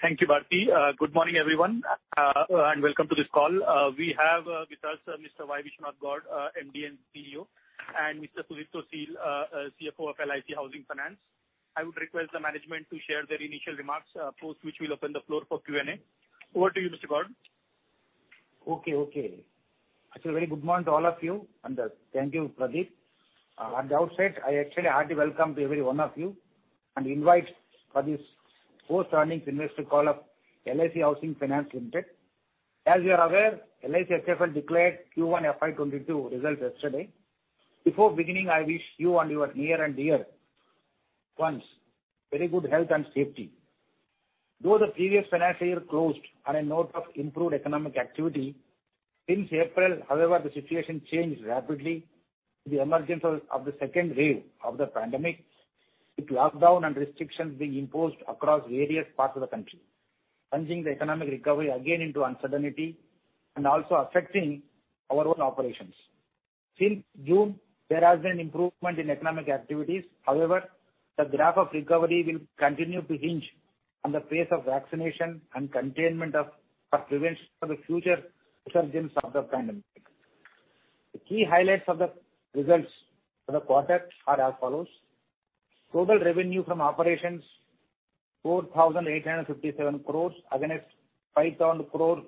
Thank you, Bharti. Good morning, everyone, and welcome to this call. We have with us Mr. Y. Viswanatha Gowd, MD and CEO, and Mr. Sudipto Sil, CFO of LIC Housing Finance. I would request the management to share their initial remarks, post which we'll open the floor for Q&A. Over to you, Mr. Gowd. Okay. Actually, a very good morning to all of you, and thank you, Pradeep. At the outset, I actually hearty welcome to every one of you, and invite for this post-earnings investor call of LIC Housing Finance Limited. As you are aware, LIC HFL declared Q1 FY 2022 results yesterday. Before beginning, I wish you and your near and dear ones very good health and safety. Though the previous financial year closed on a note of improved economic activity, since April, however, the situation changed rapidly with the emergence of the second wave of the pandemic, with lockdown and restrictions being imposed across various parts of the country, plunging the economic recovery again into uncertainty and also affecting our own operations. Since June, there has been improvement in economic activities. However, the graph of recovery will continue to hinge on the pace of vaccination and containment for prevention of the future resurgence of the pandemic. The key highlights of the results for the quarter are as follows. Total revenue from operations, 4,857 crore against 5,004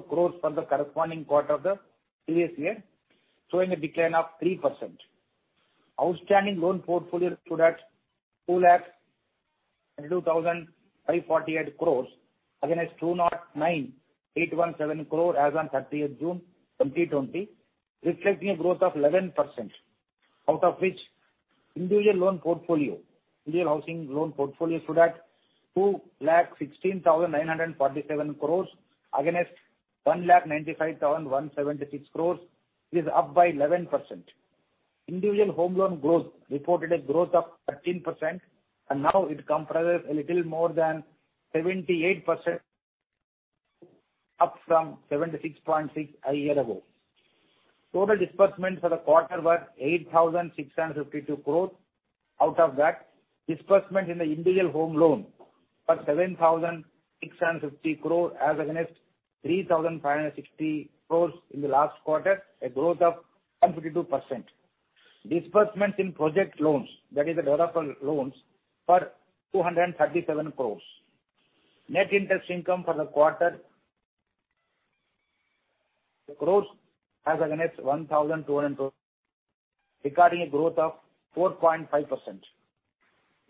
crore for the corresponding quarter of the previous year, showing a decline of 3%. Outstanding loan portfolio stood at 2,02,548 crore against 2,09,817 crore as on 30th June 2020, reflecting a growth of 11%, out of which individual loan portfolio, individual housing loan portfolio stood at 2,16,947 crore against 1,95,176 crore is up by 11%. Individual home loan growth reported a growth of 13%. Now it comprises a little more than 78%, up from 76.6% a year ago. Total disbursements for the quarter were 8,652 crore. Out of that, disbursement in the individual home loan was 7,650 crore as against 3,560 crore in the last quarter, a growth of 152%. Disbursement in project loans, that is the developer loans, were 237 crore. Net interest income for the quarter, crores, as against INR 1,202 crore, recording a growth of 4.5%.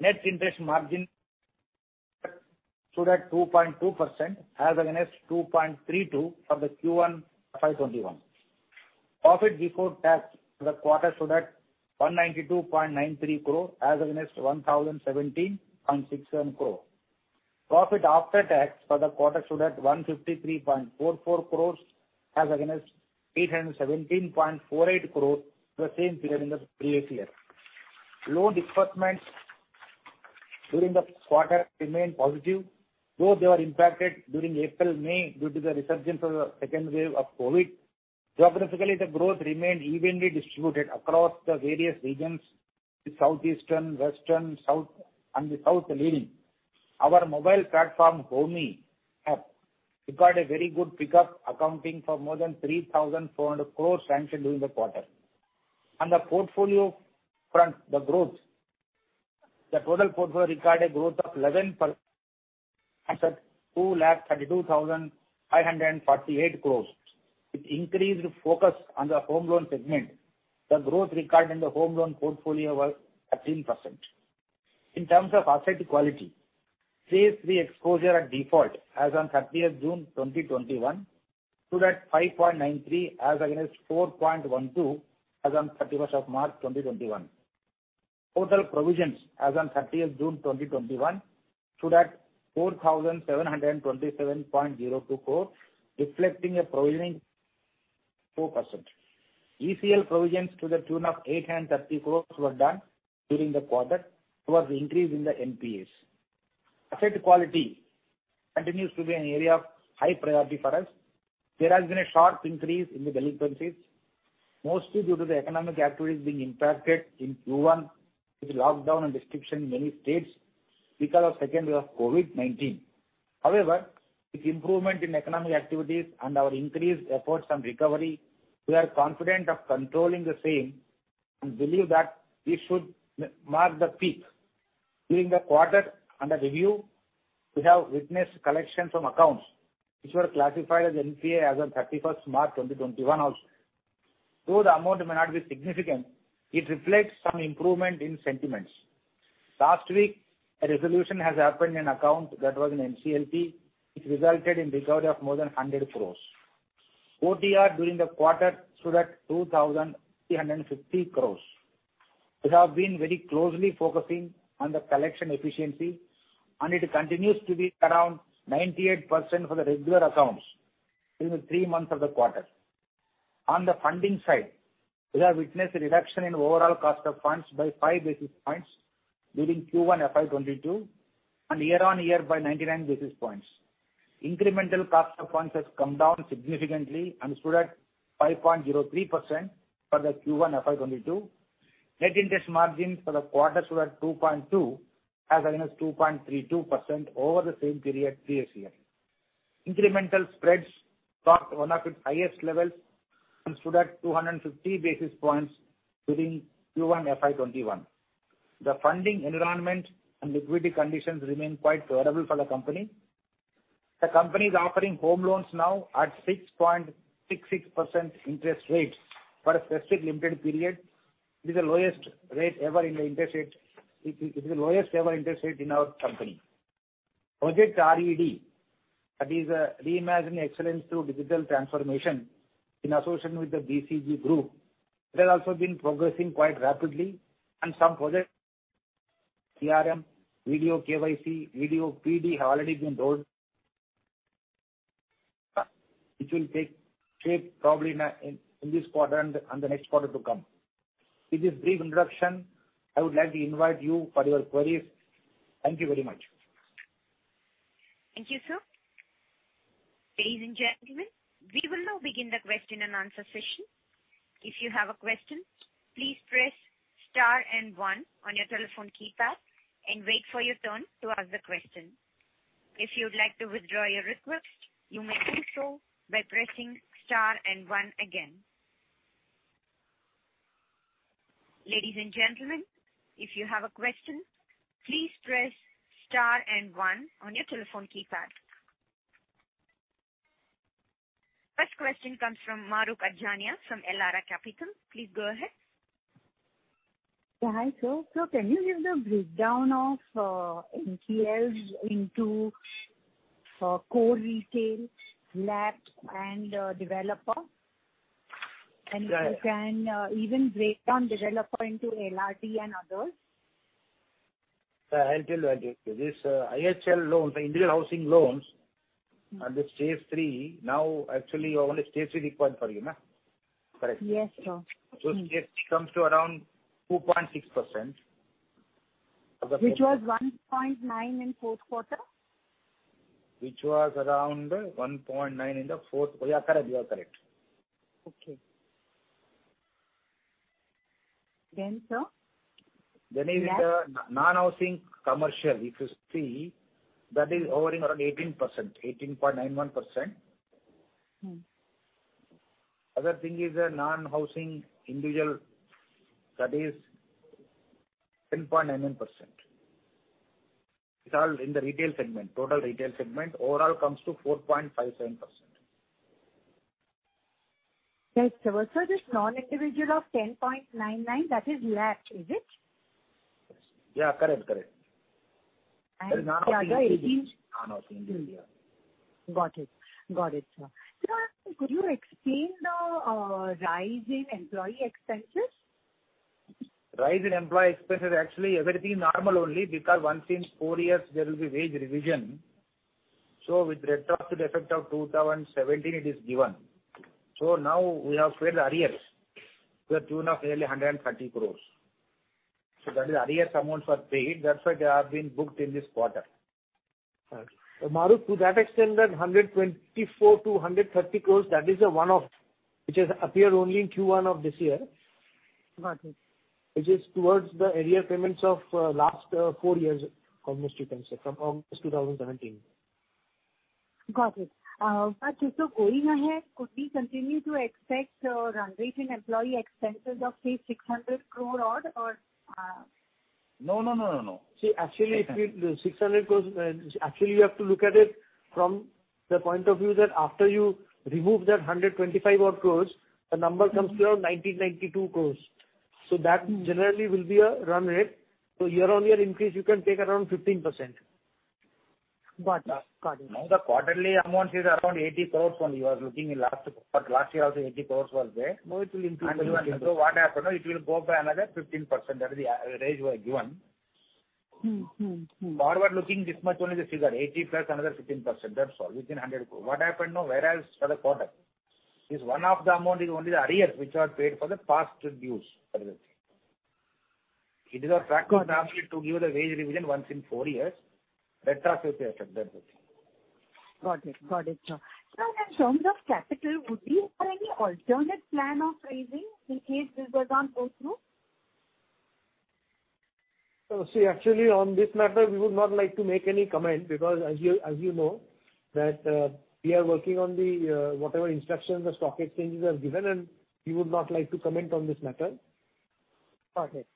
Net interest margin stood at 2.2% as against 2.32% for the Q1 FY 2021. Profit before tax for the quarter stood at 192.93 crore as against 1,017.67 crore. Profit after tax for the quarter stood at 153.44 crore as against 817.48 crore for the same period in the previous year. Loan disbursements during the quarter remained positive, though they were impacted during April, May due to the resurgence of the second wave of COVID-19. Geographically, the growth remained evenly distributed across the various regions, with southeastern, western, south, and the south leading. Our mobile platform, HOMY App, recorded very good pickup accounting for more than 3,400 crores sanctioned during the quarter. On the portfolio front, the total portfolio recorded growth of 11% at 2,32,548 crores. With increased focus on the home loan segment, the growth recorded in the home loan portfolio was 13%. In terms of asset quality, stage 3 exposure at default as on 30th June 2021 stood at 5.93% as against 4.12% as on 31st March 2021. Total provisions as on 30th June 2021 stood at 4,727.02 crore, reflecting a provisioning 4%. ECL provisions to the tune of 830 crores were done during the quarter towards the increase in the NPAs. Asset quality continues to be an area of high priority for us. There has been a sharp increase in the delinquencies, mostly due to the economic activities being impacted in Q1 with lockdown and restriction in many states because of second wave of COVID-19. However, with improvement in economic activities and our increased efforts on recovery, we are confident of controlling the same and believe that we should mark the peak. During the quarter under review, we have witnessed collections from accounts which were classified as NPA as on 31st March 2021 also. Though the amount may not be significant, it reflects some improvement in sentiments. Last week, a resolution has happened in account that was in NCLT, which resulted in recovery of more than 100 crores. OTR during the quarter stood at 2,350 crores. We have been very closely focusing on the collection efficiency, and it continues to be around 98% for the regular accounts during the three months of the quarter. On the funding side, we have witnessed a reduction in overall cost of funds by 5 basis points during Q1 FY 2022 and year-on-year by 99 basis points. Incremental cost of funds has come down significantly and stood at 5.03% for the Q1 FY 2022. Net interest margin for the quarter stood at 2.2%, as against 2.32% over the same period previous year. Incremental spreads dropped one of its highest levels and stood at 250 basis points during Q1 FY 2021. The funding environment and liquidity conditions remain quite favorable for the company. The company is offering home loans now at 6.66% interest rate for a specific limited period. It is the lowest ever interest rate in our company. Project RED, that is Reimagine Excellence through Digital Transformation, in association with the BCG group, it has also been progressing quite rapidly and some projects, CRM, video KYC, video PD, have already been rolled, which will take shape probably in this quarter and the next quarter to come. With this brief introduction, I would like to invite you for your queries. Thank you very much. Thank you, sir. Ladies and gentlemen, we will now begin the question and answer session. If you have a question, please press star and one on your telephone keypad and wait for your turn to ask the question. If you would like to withdraw your request, you may do so by pressing star and one again. Ladies and gentlemen, if you have a question, please press star and one on your telephone keypad. First question comes from Mahrukh Adajania from Elara Capital. Please go ahead. Yeah. Hi, sir. Sir, can you give the breakdown of NPLs into core retail, LAP and developer? Yeah. If you can even break down developer into LRD and others. I'll tell you. These IHL loans, individual housing loans. Under stage 3, now actually only stage 3 required for you, correct? Yes, sir. Stage 3 comes to around 2.6% of the. Which was 1.9 in fourth quarter? Which was around 1.9 in the fourth. Yeah, correct. You are correct. Okay. sir- Is the non-housing commercial. If you see, that is hovering around 18%, 18.91%. Other thing is non-housing individual, that is 10.99%. It's all in the retail segment, total retail segment. Overall comes to 4.57%. Right, sir. Sir, this non-individual of 10.99%, that is LAP, is it? Yeah, correct. The other. It is non-housing individual. Got it. Sir, could you explain the rise in employee expenses? Rise in employee expenses, actually everything normal only because once in four years there will be wage revision. With retrospective effect of 2017, it is given. Now we have paid the arrears to the tune of nearly 130 crores. That is arrears amounts were paid, that's why they have been booked in this quarter. Mahrukh, to that extent, that 124 crore-130 crore, that is a one-off, which has appeared only in Q1 of this year. Got it. Which is towards the arrear payments of last four years, from August 2017. Got it. Just going ahead, could we continue to expect run rate in employee expenses of say 600 crore odd or? No. The 600 crores, actually you have to look at it from the point of view that after you remove that 125 odd crores, the number comes to around 1,992 crores. That generally will be a run rate. Year-on-year increase, you can take around 15%. Got it. Now the quarterly amounts is around 80 crores only. You are looking in last, but last year also 80 crores was there. No, it will include What happened now, it will go up by another 15%. That is the raise we are given. Forward looking, this much only the figure, 80 plus another 15%, that's all, within 100 crore. What happened now. Whereas for the quarter, this one-off amount is only the arrears which are paid for the past dues. That is the thing. It is our practice normally to give the wage revision once in four years. Retrospective effect. That's it. Got it, sir. Sir, in terms of capital, would you have any alternate plan of raising in case this doesn't go through? See, actually on this matter, we would not like to make any comment because as you know that we are working on the whatever instructions the stock exchanges have given, and we would not like to comment on this matter. Got it. Fair enough.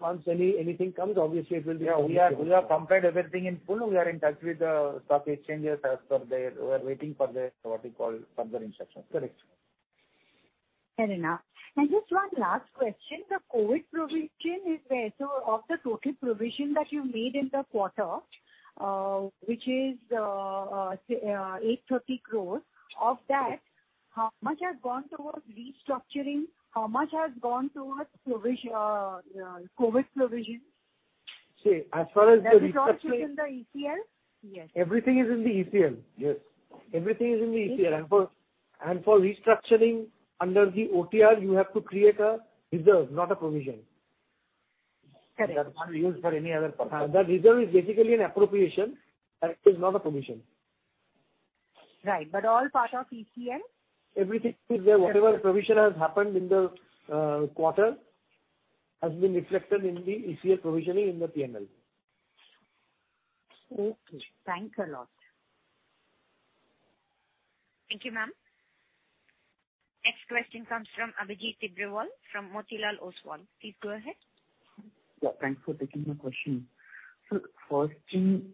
Once anything comes, obviously it will be. Yeah. We have compiled everything in full. We are in touch with the stock exchanges, we are waiting for their, what you call, further instructions. Correct. Fair enough. Just one last question. The COVID provision is where? Of the total provision that you made in the quarter, which is 830 crore, of that, how much has gone towards restructuring, how much has gone towards COVID provision? See, as far as the restructuring- That is all within the ECL? Yes. Everything is in the ECL. Yes. Everything is in the ECL. For restructuring under the OTR, you have to create a reserve, not a provision. Correct. That can't be used for any other purpose. That reserve is basically an appropriation, and it is not a provision. Right. All part of ECL? Everything is there. Whatever provision has happened in the quarter has been reflected in the ECL provisioning in the P&L. Okay. Thanks a lot. Thank you, ma'am. Next question comes from Abhijit Tibrewal from Motilal Oswal. Please go ahead. Yeah. Thanks for taking my question. First thing,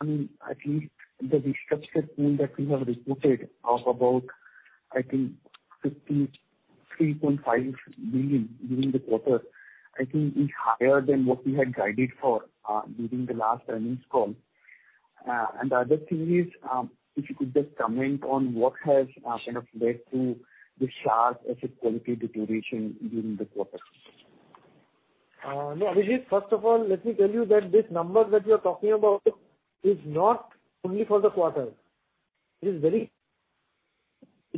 I think the restructure scheme that you have reported of about I think 53.5 billion during the quarter, I think is higher than what we had guided for during the last earnings call. The other thing is, if you could just comment on what has kind of led to the sharp asset quality deterioration during the quarter. Abhijit, first of all, let me tell you that this number that you're talking about is not only for the quarter.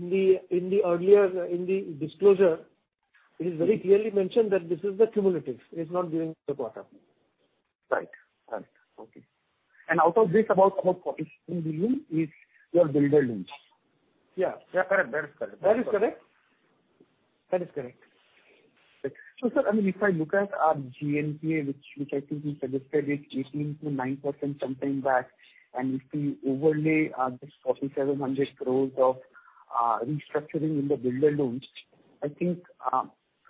In the disclosure, it is very clearly mentioned that this is the cumulative. It's not during the quarter. Right. Okay. Out of this, about 47 billion is your builder loans. Yeah. Correct. That is correct. That is correct. Sir, if I look at our GNPA, which I think we suggested is 18%-9% some time back, if we overlay this 4,700 crore of restructuring in the builder loans, I think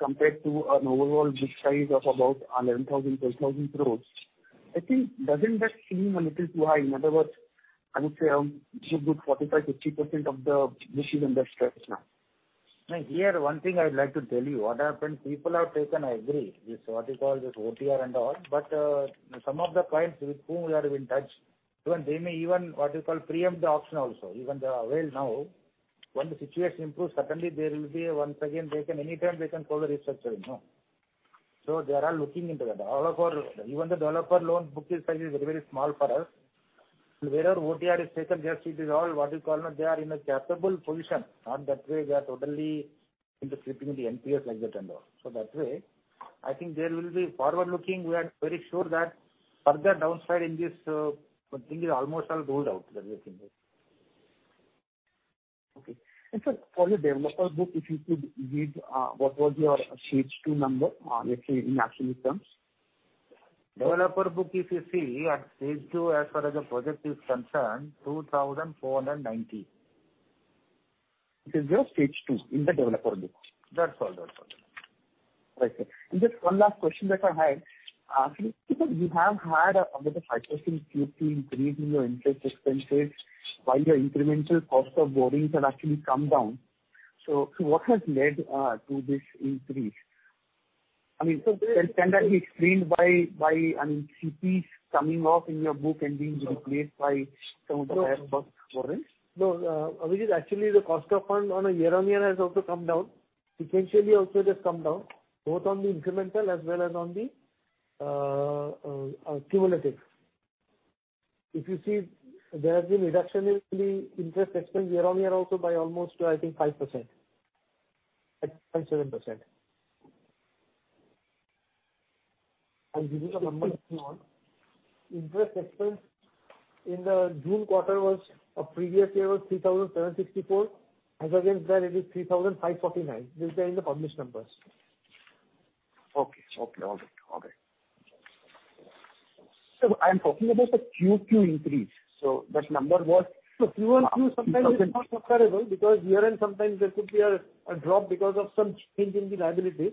compared to an overall book size of about 11,000 crore-12,000 crore, I think doesn't that seem a little too high? In other words, I would say, a good 45%-50% of the book is under stress now. No. Here, one thing I'd like to tell you, what happened, people have taken, I agree, this what you call this OTR and all, some of the clients with whom we are in touch, even they may even what you call preempt the option also. Even they are aware now, when the situation improves, certainly there will be a once again, they can anytime they can call the restructuring. They are all looking into that. Even the developer loan book is very, very small for us. Wherever OTR is taken, they are in a capable position, not that way they are totally into slipping into NPA like that and all. That way, I think there will be forward-looking. We are very sure that further downside in this thing is almost all ruled out. That's the thing. Okay. Sir, for your developer book, if you could read what was your stage 2 number, let's say, in absolute terms. developer book, if you see, at stage 2, as far as the project is concerned, 2,490. It is your stage 2 in the developer book? That's all. Right, sir. Just one last question that I had. Sir, you have had about a 5% Q2 increase in your interest expenses while your incremental cost of borrowings have actually come down. What has led to this increase? I mean, can that be explained by CPs coming off in your book and being replaced by some of the higher cost borrowings? No. Abhijit, actually, the cost of fund on a year-on-year has also come down. Sequentially also it has come down, both on the incremental as well as on the cumulative. If you see, there has been reduction in the interest expense year-on-year also by almost, I think, 5% and 7%. Giving the numbers to all. Interest expense in the June quarter was, of previous year was 3,764. As against that, it is 3,549. These are in the published numbers. Okay. Got it. Sir, I'm talking about the QQ increase. Quarter-on-quarter sometimes is not comparable because year-end sometimes there could be a drop because of some change in the liabilities.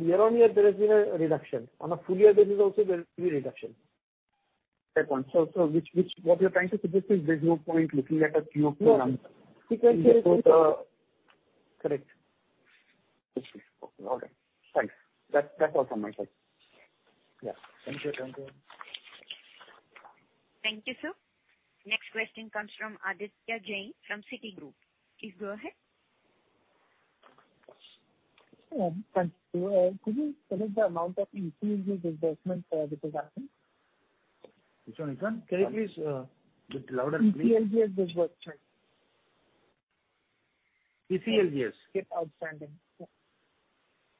Year-on-year, there has been a reduction. On a full year basis also there's been a reduction. Fair point. What you're trying to suggest is there's no point looking at a quarter-on-quarter number. No. Sequentially. Correct. Okay. Thanks. That's all from my side. Yeah. Thank you. Thank you, sir. Next question comes from Aditya Jain from Citigroup. Please go ahead. Yeah. Thanks. Could you tell us the amount of ECLGS disbursement which was happened? Which one, Nishant? Can you please bit louder, please? ECLGS disbursement. ECLGS. Yes, outstanding.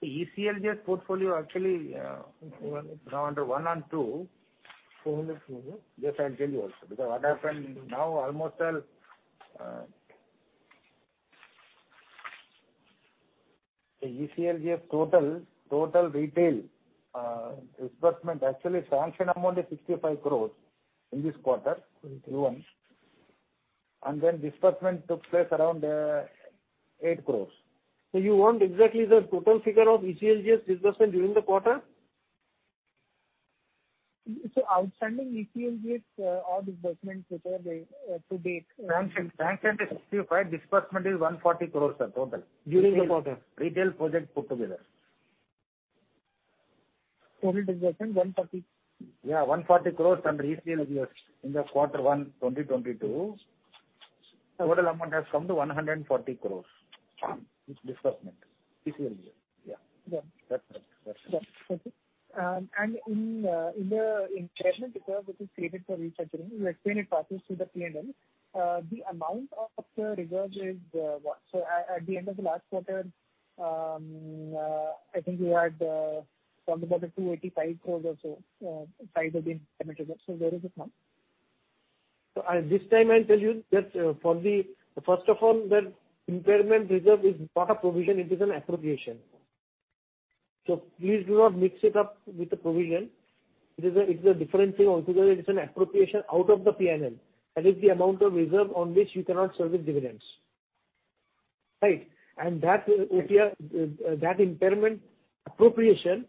ECLGS portfolio actually now under 1.0 and 2.0. 200 million. Yes, I'll tell you also. What happened, now almost the ECLGS total retail disbursement, actually, sanction amount is 65 crores in this quarter, Q1. Disbursement took place around 8 crores. You want exactly the total figure of ECLGS disbursement during the quarter? Outstanding ECLGS or disbursement to date. Sanction is INR 65, disbursement is 140 crores total. During the quarter. Retail projects put together. Total disbursement INR 140. Yeah, INR 140 crores under ECLGS in Q1 FY22. Total amount has come to INR 140 crores. Disbursement. ECLGS. Yeah. That's right. Got it. Thank you. In the impairment reserve which is created for restructuring, you explained it passes through the P&L. The amount of reserve is what? At the end of the last quarter, I think you had talked about 285 crores or so, size of the impairment reserve. Where is it now? This time I tell you that first of all, that impairment reserve is not a provision, it is an appropriation. Please do not mix it up with the provision. It is a different thing altogether. It is an appropriation out of the P&L. That is the amount of reserve on which you cannot serve with dividends. Right. That impairment appropriation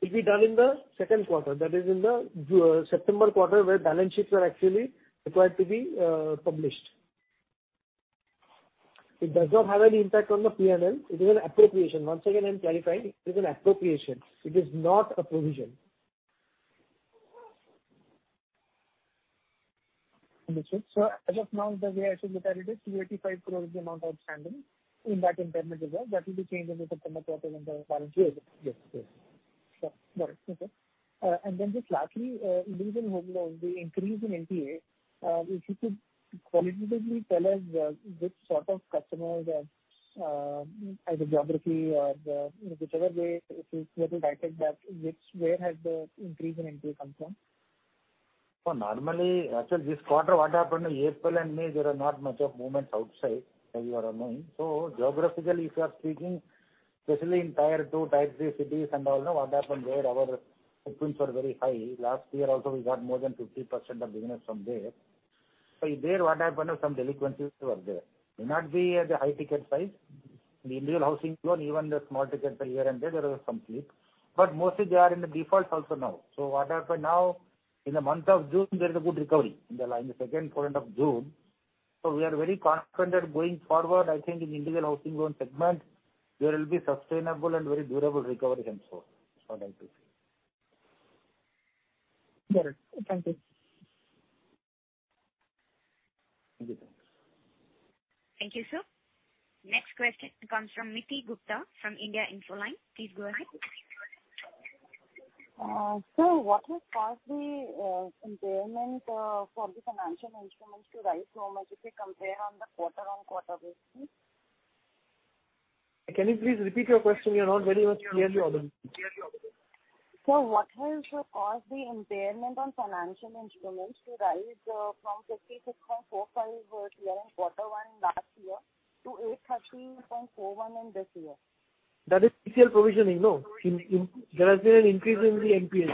will be done in the second quarter, that is in the September quarter, where balance sheets are actually required to be published. It does not have any impact on the P&L. It is an appropriation. Once again, I'm clarifying, it is an appropriation. It is not a provision. Understood. As of now, the way I should look at it is 385 crores the amount outstanding in that impairment reserve, that will be changed in the September quarter in the balance sheet. Yes. Sure. Got it. Okay. Just lastly, given the increase in NPA, if you could qualitatively tell us which sort of customers as a geography or whichever way if you feel directed that which, where has the increase in NPA come from? Normally, actually, this quarter, what happened in April and May, there are not much of movements outside as you are knowing. Geographically, if you are speaking, especially in Tier 2, Tier 3 cities and all, now what happened there, our footprints were very high. Last year also, we got more than 50% of business from there. There, what happened is some delinquencies were there. May not be at the high-ticket size. In the individual housing loan, even the small-ticket sale here and there was some flip, but mostly they are in the default also now. What happened now, in the month of June, there is a good recovery in the second quarter of June. We are very confident going forward, I think in individual housing loan segment, there will be sustainable and very durable recovery henceforth. That's what I have to say. Got it. Thank you. Thank you. Thank you, sir. Next question comes from Niti Gupta from India Infoline. Please go ahead. Sir, what has caused the impairment for the financial instruments to rise dramatically compared on the quarter-on-quarter basis? Can you please repeat your question? You're not very much clearly audible. Sir, what has caused the impairment on financial instruments to rise from INR 56.45 here in quarter one last year to 813.41 in this year? That is ECL provisioning, no. There has been an increase in the NPA.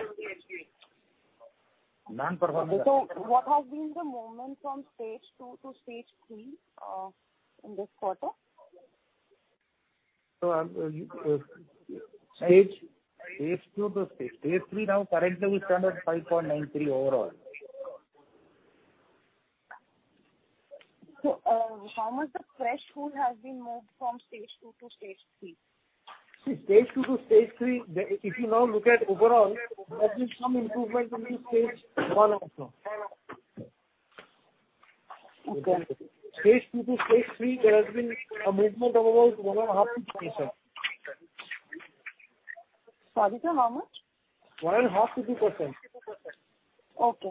What has been the movement from stage 2 to stage 3 in this quarter? Stage 2 to stage 3. Currently we stand at 5.93% overall. How much of threshold has been moved from stage 2 to stage 3? See, stage 2 to stage 3, if you now look at overall, there's been some improvement in stage 1 also. Okay. Stage 2 to stage 3, there has been a movement of about 1.5%-2%. Sorry, sir, how much? 1.5%-2%. Okay.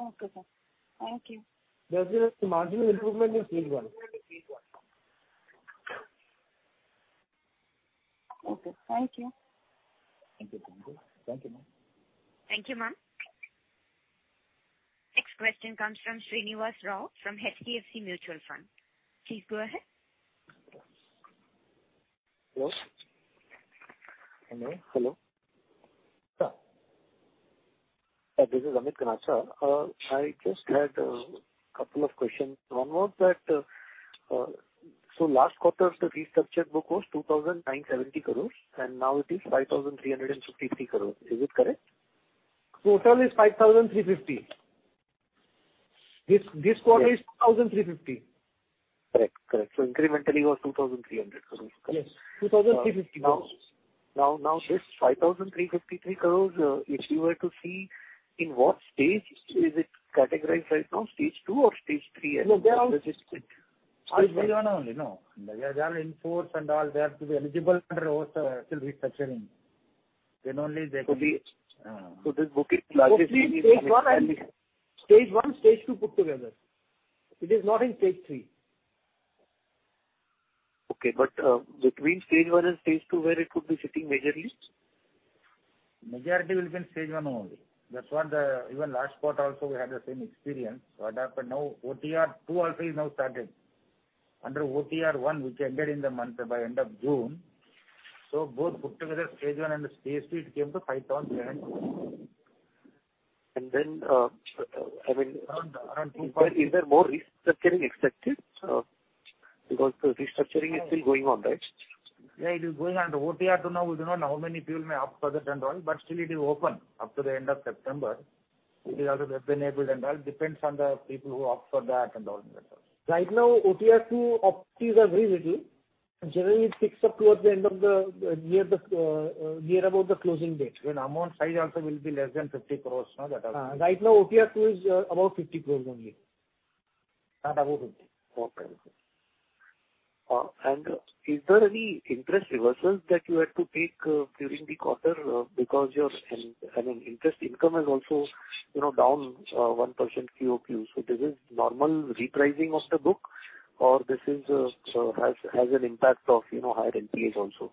Okay, sir. Thank you. There's been a marginal improvement in stage 1. Okay. Thank you. Thank you. Thank you, ma'am. Thank you, ma'am. Next question comes from Srinivas Rao from HDFC Mutual Fund. Please go ahead. Hello? Hello. This is Amit Ganatra. I just had a couple of questions. One was that, last quarter, the restructured book was 2,970 crores rupees, and now it is 5,353 crores rupees. Is it correct? Total is 5,350 rupees. This quarter is 2,350 rupees. Correct. Incrementally was 2,300 crores rupees, correct? Yes. 2,350 crores rupees. This 5,353 crores rupees, if you were to see in what stage is it categorized right now, stage 2 or stage 3? No, they are- -restructured? Stage 1 and only. No. They are in force and all. They have to be eligible under what still restructuring. This book is largely. Stage 1, stage 2 put together. It is not in stage 3. Okay, between stage 1 and stage 3 where it could be sitting majorly? Majority will be in stage 1 only. That's what even last quarter also we had the same experience. What happened now, OTR 2.0 also is now started. Under OTR 1.0, which ended by end of June. Both put together stage 1 and stage 3, it came to 5,300. Is there more restructuring expected? Because the restructuring is still going on, right? Yeah, it is going under OTR 2.0 now. We don't know how many people may opt further and all, but still it is open up to the end of September. It is also web-enabled and all. It depends on the people who opt for that and all. Right now, OTR 2.0 optees are very little. Generally, it picks up towards the end of the, near about the closing date. Even amount size also will be less than 50 crores, no? That also. Right now OTR 2.0 is about 50 crores only. Not above 50. Okay. Is there any interest reversals that you had to take during the quarter? Your interest income is also down 1% QoQ. This is normal repricing of the book or this has an impact of higher NPAs also?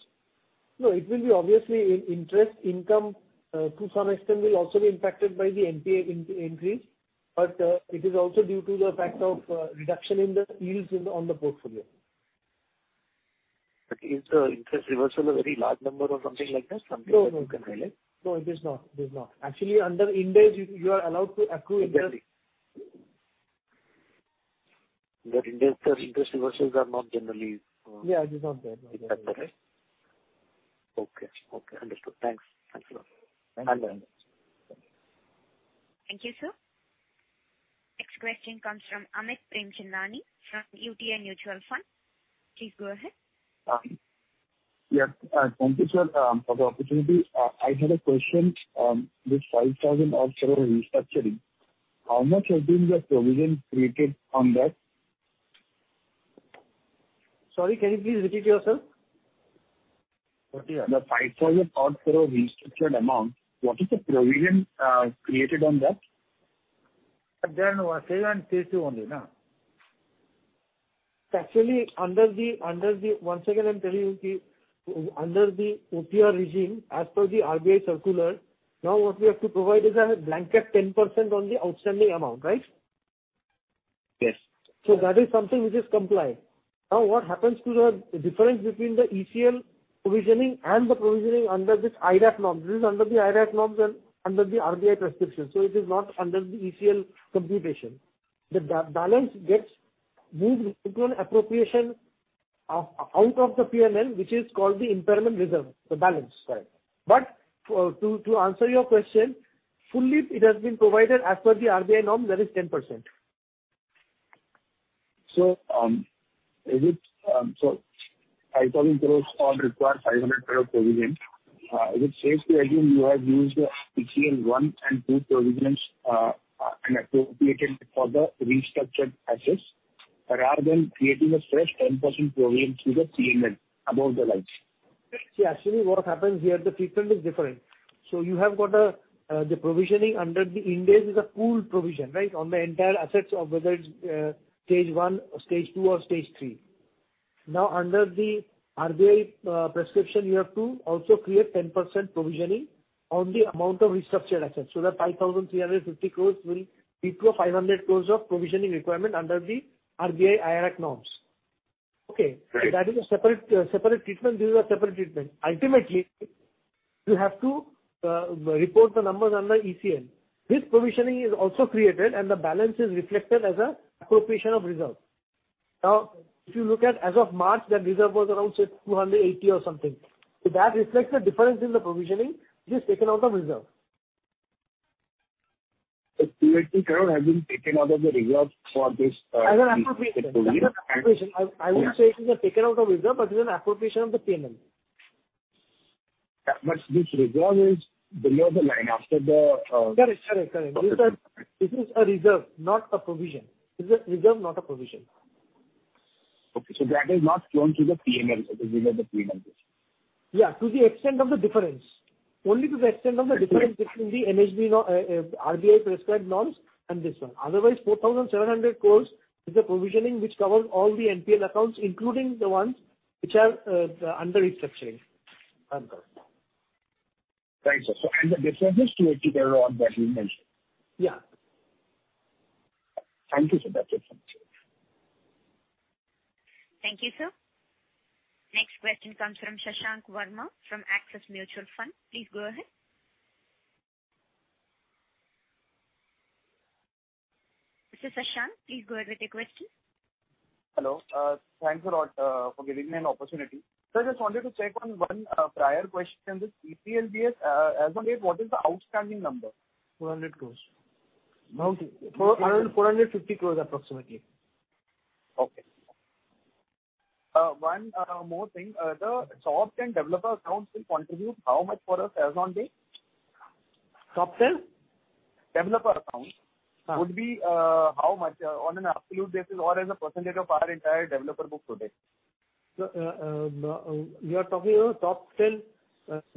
No, it will be obviously interest income to some extent will also be impacted by the NPA increase, but it is also due to the fact of reduction in the yields on the portfolio. Is the interest reversal a very large number or something like that? Something that you can highlight. No, it is not. Actually, under Ind AS, you are allowed to accrue interest. Exactly. Interest reversals are not generally. Yeah, it is not there. Okay. Understood. Thanks a lot. Thank you. Thank you, sir. Next question comes from Amit Premchandani from UTI Mutual Fund. Please go ahead. Yes. Thank you, sir, for the opportunity. I had a question. This 5,000 crore restructuring, how much has been the provision created on that? Sorry, can you please repeat yourself? The INR 5,000 crore restructured amount, what is the provision created on that? Stage 1 and stage 2 only no. Actually, once again, I'm telling you, under the OTR regime, as per the RBI circular, now what we have to provide is a blanket 10% on the outstanding amount, right? Yes. That is something which is compliant. What happens to the difference between the ECL provisioning and the provisioning under this IRAC norm? This is under the IRAC norms and under the RBI prescription. It is not under the ECL computation. The balance gets moved into an appropriation out of the P&L, which is called the impairment reserve. Correct. To answer your question, fully it has been provided as per the RBI norm, that is 10%. 5,000 crore all require 500 crore provision. Is it safe to assume you have used the ECL 1 and 2 provisions and appropriated for the restructured assets rather than creating a fresh 10% provision to the P&L above the lines? See, actually, what happens here, the treatment is different. You have got the provisioning under the Ind AS is a pool provision on the entire assets of whether it's stage 1 or stage 2 or stage 3. Under the RBI prescription, you have to also create 10% provisioning on the amount of restructured assets. That 5,350 crore will equal 500 crore of provisioning requirement under the RBI IRAC norms. Okay. Right. That is a separate treatment. These are separate treatment. Ultimately, you have to report the numbers under ECL. This provisioning is also created and the balance is reflected as an appropriation of reserve. If you look at as of March, that reserve was around, say, 280 or something. That reflects the difference in the provisioning, which is taken out of reserve. 280 crore has been taken out of the reserve for this. As an appropriation. I wouldn't say it is taken out of reserve, but it is an appropriation of the P&L. This reserve is below the line after the. Correct. This is a reserve, not a provision. This is a reserve, not a provision. Okay, that is not shown to the P&L. It is below the P&L. Yeah. To the extent of the difference. Only to the extent of the difference between the RBI prescribed norms and this one. Otherwise, 4,700 crores is the provisioning which covers all the NPL accounts, including the ones which are under restructuring. Understood. Thanks, sir. The difference is 280 crore that you mentioned. Yeah. Thank you, sir. That's it from me. Thank you, sir. Next question comes from Shashank Verma from Axis Mutual Fund. Please go ahead. Mr. Shashank, please go ahead with your question. Hello. Thanks a lot for giving me an opportunity. Sir, just wanted to check on one prior question. This ECLGS, as on date, what is the outstanding number? 400 crores. 450 crores approximately. Okay. One more thing. The top 10 developer accounts will contribute how much for us as on date? Top 10? Developer accounts. Ha. Would be how much on an absolute basis or as a percentage of our entire developer book today? Sir, you are talking about top 10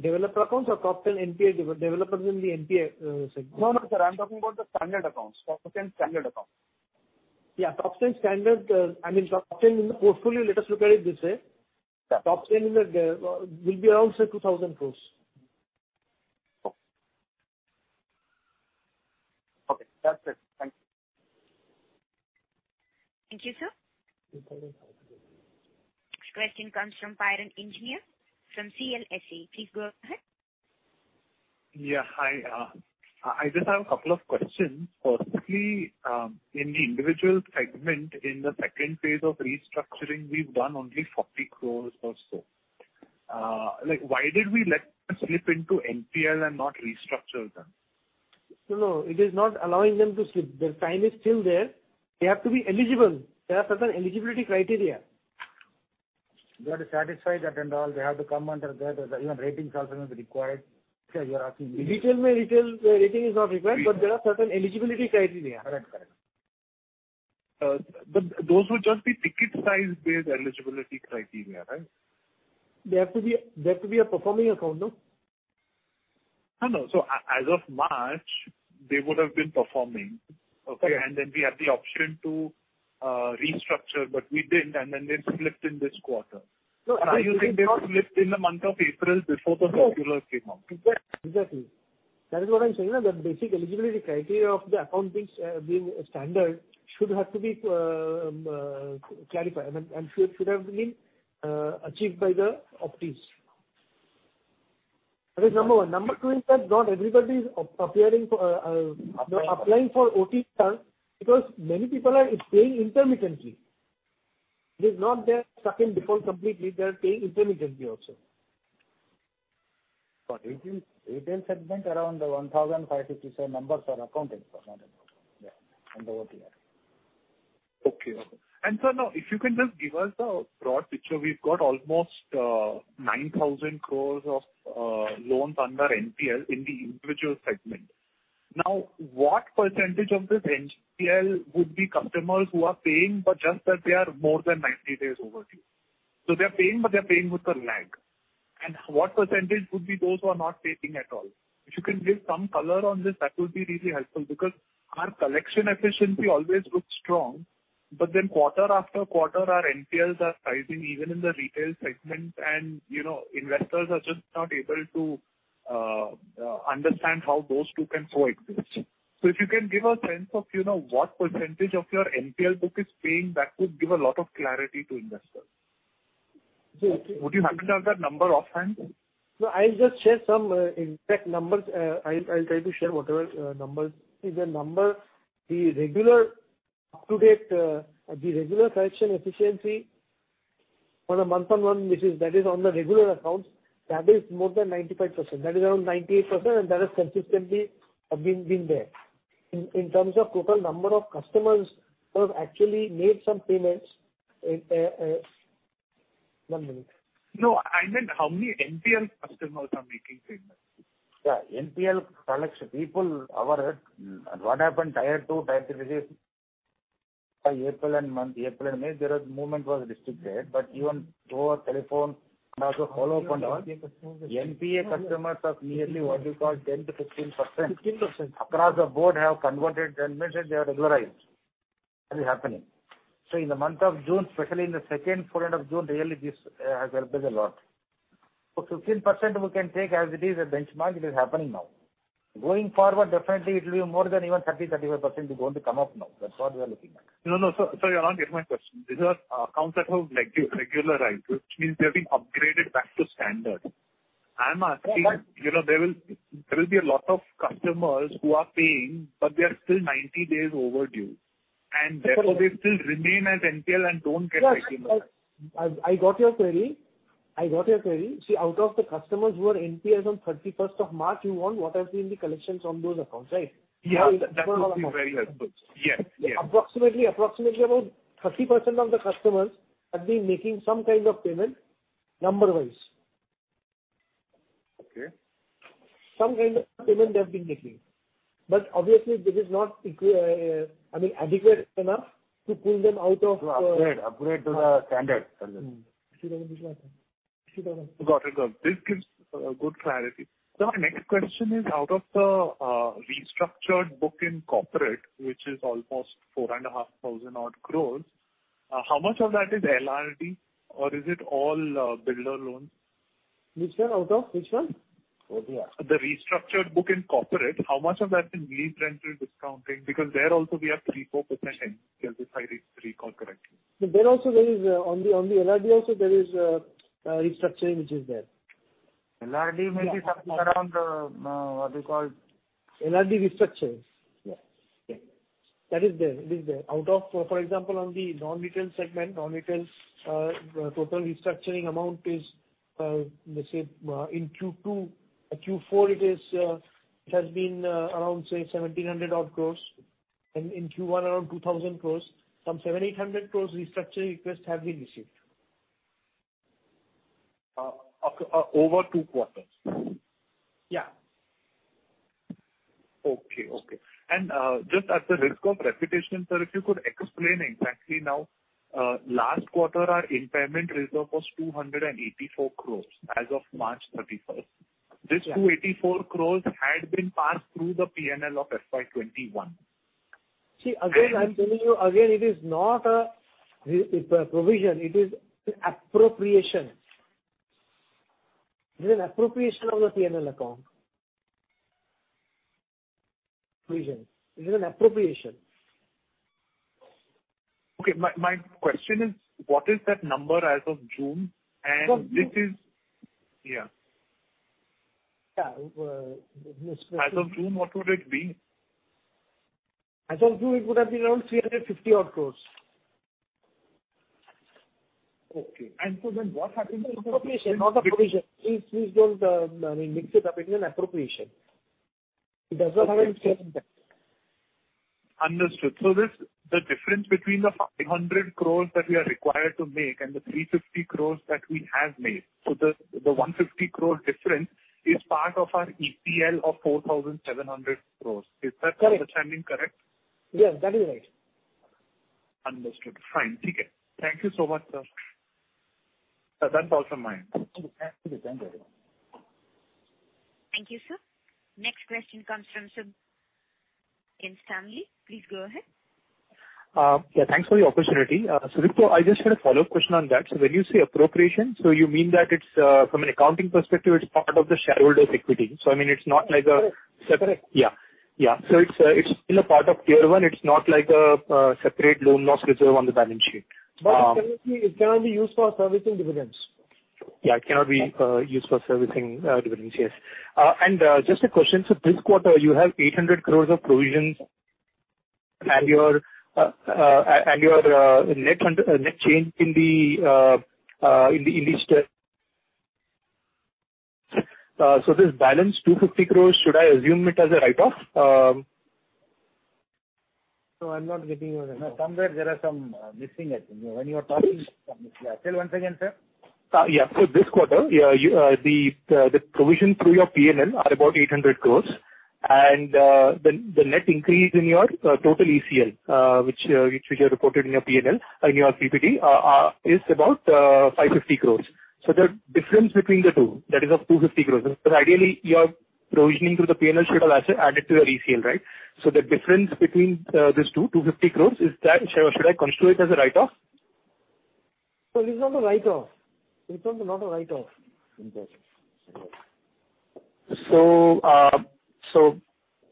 developer accounts or top 10 NPA developers in the NPA segment? No, sir. I'm talking about the standard accounts, top 10 standard accounts. Yeah, top 10 standard, I mean, top 10 in the portfolio, let us look at it this way. Yeah. Top 10 will be around, say, 2,000 crores. Okay. That's it. Thank you. Thank you, sir. Next question comes from Piran Engineer from CLSA. Please go ahead. Yeah. Hi. I just have a couple of questions. Firstly, in the individual segment, in the second phase of restructuring, we've done only 40 crores or so. Why did we let them slip into NPL and not restructure them? No, it is not allowing them to slip. Their time is still there. They have to be eligible. There are certain eligibility criteria. They have to satisfy that and all. They have to come under that. Even ratings also may be required. Sir, you are asking me. In retail, rating is not required, but there are certain eligibility criteria. Correct. Those would just be ticket size based eligibility criteria, right? They have to be a performing account, no? No. As of March, they would have been performing, okay? We had the option to restructure, but we didn't, and then they've slipped in this quarter. Are you saying they've slipped in the month of April before the circular came out? Exactly. That is what I'm saying, that the basic eligibility criteria of the account being standard should have to be clarified and should have been achieved by the optees. That is number one. Number two is that not everybody is applying for OTR terms because many people are paying intermittently. It is not they are stuck in default completely. They are paying intermittently also. Retail segment, around 1,557 numbers are accounted for, not in default. Yeah. They are over here. Okay. Sir, now, if you can just give us the broad picture. We've got almost 9,000 crore of loans under NPL in the individual segment. What percentage of this NPL would be customers who are paying but just that they are more than 90 days overdue. They're paying, but they're paying with a lag. What percentage would be those who are not paying at all? If you can give some color on this, that would be really helpful because our collection efficiency always looks strong. Quarter after quarter, our NPLs are rising even in the retail segment, and investors are just not able to understand how those two can coexist. If you can give a sense of what percentage of your NPL book is paying, that would give a lot of clarity to investors. Yes. Would you happen to have that number offhand? No, I'll just share some exact numbers. I'll try to share whatever number is there. Number, the regular collection efficiency on a month-on-month basis, that is on the regular accounts, that is more than 95%. That is around 98%, and that has consistently been there. In terms of total number of customers who have actually made some payments One minute. No, I meant how many NPL customers are making payments. Yeah, NPL collection, people overdue. What happened prior to April and May, their movement was restricted, but even through our telephone and also follow-up and all, NPA customers of nearly, what do you call, 10%-15% across the board have converted and mentioned they are regularized. That is happening. In the month of June, especially in the second quarter of June, really this has helped us a lot. 15% we can take as it is a benchmark. It is happening now. Going forward, definitely it will be more than even 30%-35% is going to come up now. That's what we are looking at. No, sir, you're not getting my question. These are accounts that have regularized, which means they have been upgraded back to standard. I'm asking, there will be a lot of customers who are paying, but they are still 90 days overdue, and therefore they still remain as NPL and don't get regularized. I got your query. See, out of the customers who are NPLs on 31st of March, you want what have been the collections from those accounts, right? Yeah. That would be very helpful. Yes. Approximately about 30% of the customers have been making some kind of payment, number wise. Okay. Some kind of payment they have been making. Obviously this is not adequate enough to pull them. To upgrade to the standard. Got it. This gives good clarity. Sir, my next question is out of the restructured book in corporate, which is almost 4,500 odd crores, how much of that is LRD or is it all builder loans? Which one? Out of which one? OTR. The restructured book in corporate, how much of that is lease rental discounting, because there also we have 3%, 4%, if I recall correctly. On the LRD also there is a restructuring, which is there. LRD may be something around, what do you call- LRD restructure. Yeah. That is there. It is there. For example, on the non-retail segment, non-retail total restructuring amount in Q4, it has been around, say, 1,700 odd crores, and in Q1, around 2,000 crores. Some 700 crores-800 crores restructuring requests have been received. Over two quarters? Yeah. Okay. Just at the risk of repetition, sir, if you could explain exactly now, last quarter our impairment reserve was 284 crores as of March 31st. This 284 crores had been passed through the P&L of FY 2021. See, again, I'm telling you, again, it is not a provision, it is an appropriation. It is an appropriation of the P&L account. Provision. It is an appropriation. Okay. My question is, what is that number as of June. Of June. Yeah. Yeah. As of June, what would it be? As of June, it would have been around 350 odd crores. Okay. It's an appropriation, not a provision. Please don't mix it up. It is an appropriation. It doesn't have an impact. Understood. The difference between the 500 crores that we are required to make and the 350 crores that we have made, the 150 crore difference is part of our ECL of 4,700 crores. Is that understanding correct? Yes, that is right. Understood. Fine. Thank you so much, sir. That's also mine. Thank you, sir. Next question comes from Subhankar in Morgan Stanley. Please go ahead. Yeah. Thanks for the opportunity. Sudipto, I just had a follow-up question on that. When you say appropriation, so you mean that from an accounting perspective, it's part of the shareholders' equity. Correct. Yeah. It's still a part of Tier 1. It's not like a separate loan loss reserve on the balance sheet. It cannot be used for servicing dividends. Yeah, it cannot be used for servicing dividends. Yes. Just a question, this quarter you have 800 crores of provisions, and your net change in the. This balance, 250 crores, should I assume it as a write-off? No, I'm not getting you. Somewhere there are some missing, I think. When you are talking, Say it once again, sir. This quarter, the provision through your P&L are about 800 crores. The net increase in your total ECL, which you have reported in your P&L, in your PPT, is about 550 crores. The difference between the two, that is of 250 crores. Ideally, your provisioning through the P&L should have added to your ECL, right? The difference between these two, 250 crores, should I construe it as a write-off? No, this is not a write-off. It is not a write-off.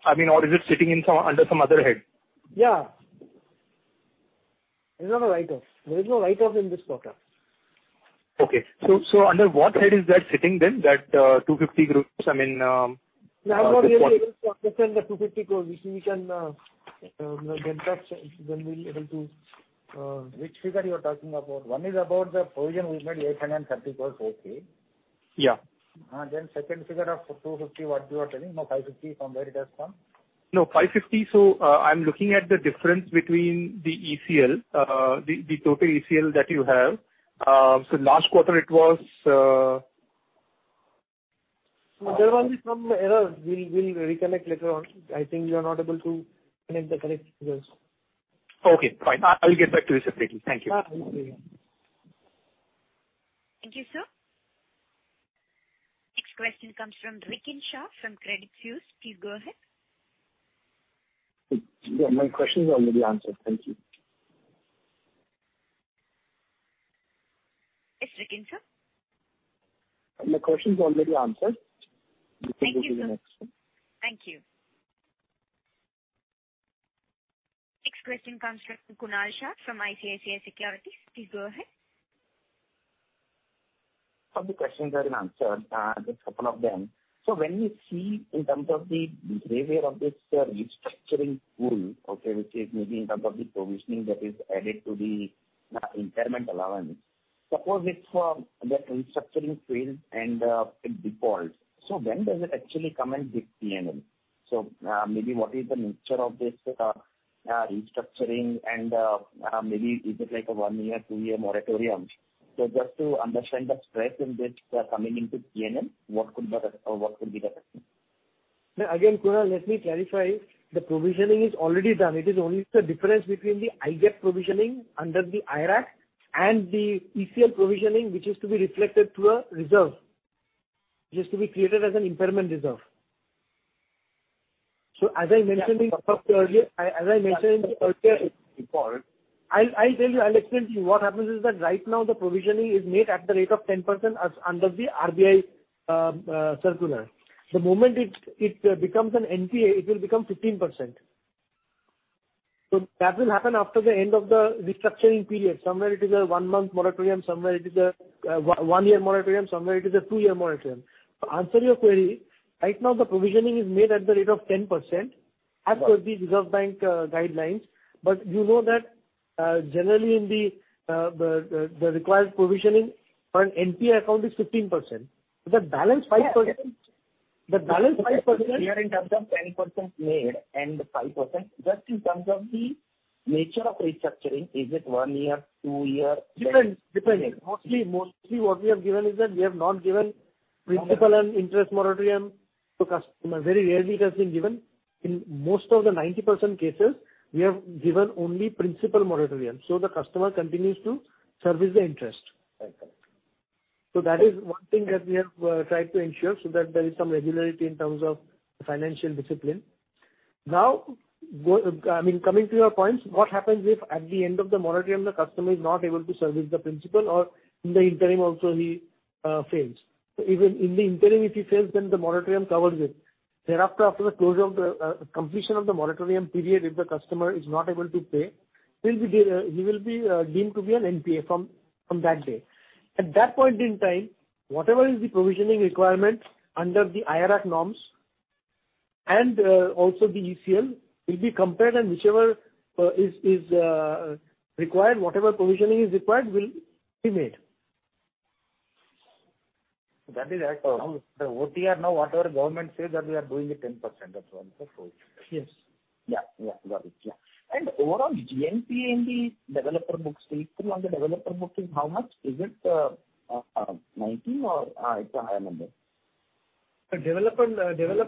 I mean, or is it sitting under some other head? Yeah. It is not a write-off. There is no write-off in this quarter. Okay. Under what head is that sitting then, that 250 crores? I'm not really able to understand the 250 crores. We can get that, then we'll be able to. Which figure you are talking about? One is about the provision we made, 830 crores. Okay. Yeah. Second figure of 250, what you are telling? Now 550, from where it has come? No, 550. I'm looking at the difference between the ECL, the total ECL that you have. Last quarter it was. There was some error. We'll reconnect later on. I think you are not able to connect the correct figures. Okay, fine. I'll get back to you separately. Thank you. Okay. Thank you, sir. Next question comes from Rikin Shah from Credit Suisse. Please go ahead. Yeah. My question is already answered. Thank you. Yes, Rikin Shah. My question is already answered. You can go to the next one. Thank you. Next question comes from Kunal Shah from ICICI Securities. Please go ahead. Some of the questions have been answered, just a couple of them. When you see in terms of the behavior of this restructuring pool, which is maybe in terms of the provisioning that is added to the impairment allowance. Suppose it's from the restructuring pool and it defaults, so when does it actually come into P&L? Maybe what is the nature of this restructuring and maybe is it like a one-year, two-year moratorium? Just to understand the stress in which we are coming into P&L, what could be the. No, again, Kunal, let me clarify. The provisioning is already done. It is only the difference between the IGAAP provisioning under the IRAC and the ECL provisioning, which is to be reflected to a reserve. Which is to be created as an impairment reserve. Default? I'll tell you, I'll explain to you. What happens is that right now the provisioning is made at the rate of 10% under the RBI circular. The moment it becomes an NPA, it will become 15%. That will happen after the end of the restructuring period. Somewhere it is a one-month moratorium, somewhere it is a one-year moratorium, somewhere it is a two-year moratorium. To answer your query, right now the provisioning is made at the rate of 10% as per the Reserve Bank guidelines. You know that generally, the required provisioning for an NPA account is 15%. The balance 5%. Yeah. The balance 5%. Here in terms of 10% made and 5%, just in terms of the nature of restructuring, is it one year, two year? Depends. Mostly what we have given is that we have not given principal and interest moratorium to customer. Very rarely it has been given. In most of the 90% cases, we have given only principal moratorium, so the customer continues to service the interest. Right. That is one thing that we have tried to ensure so that there is some regularity in terms of financial discipline. Coming to your points, what happens if at the end of the moratorium, the customer is not able to service the principal or in the interim also he fails? Even in the interim if he fails, then the moratorium covers it. Thereafter, after the completion of the moratorium period, if the customer is not able to pay, he will be deemed to be an NPA from that day. At that point in time, whatever is the provisioning requirement under the IRAC norms and also the ECL will be compared and whichever is required, whatever provisioning is required will be made. That is right. The OTR now, whatever government says that we are doing it 10%, that's also true. Yes. Yeah. Got it. Overall GNPA in the developer books, take through on the developer books is how much? Is it 90 or it's a higher number? The developer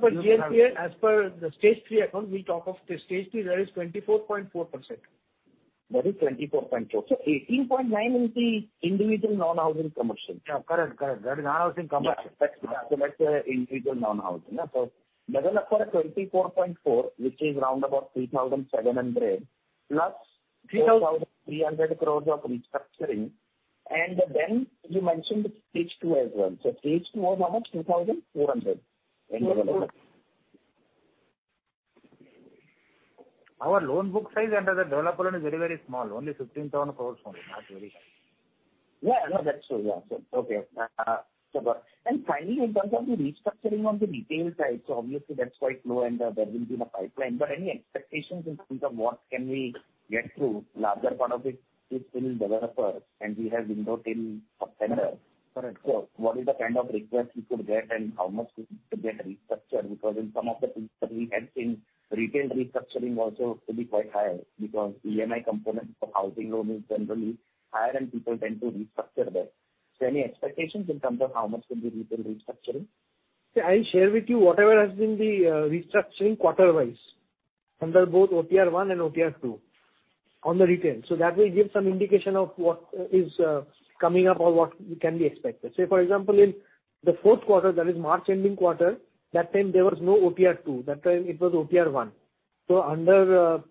GNPA, as per the stage 3 account, we talk of stage 3, that is 24.4%. That is 24.4. 18.9 is the individual non-housing commercial. Yeah, correct. That is non-housing commercial. That's individual non-housing. developer 24.4, which is around about 3,700 crore+ 3,300 crore of restructuring, and then you mentioned stage 2 as well. Stage 2 was how much, 2,400 crore? Our loan book size under the developer loan is very small, only 15,000 crores only, not very high. Yeah, that's true. Okay. Finally, in terms of the restructuring on the retail side, obviously that's quite low and there will be no pipeline, any expectations in terms of what can we get through, larger part of it is still in developer and we have window till September. Correct. What is the kind of request we could get and how much we could get restructured because in some of the things that we have seen, retail restructuring also could be quite high because EMI component for housing loan is generally higher and people tend to restructure there. Any expectations in terms of how much could be retail restructuring? I share with you whatever has been the restructuring quarter-wise under both OTR 1.0 and OTR 2.0 on the retail. That will give some indication of what is coming up or what can be expected. Say, for example, in the fourth quarter, that is March ending quarter, that time there was no OTR 2.0. That time it was OTR 1.0.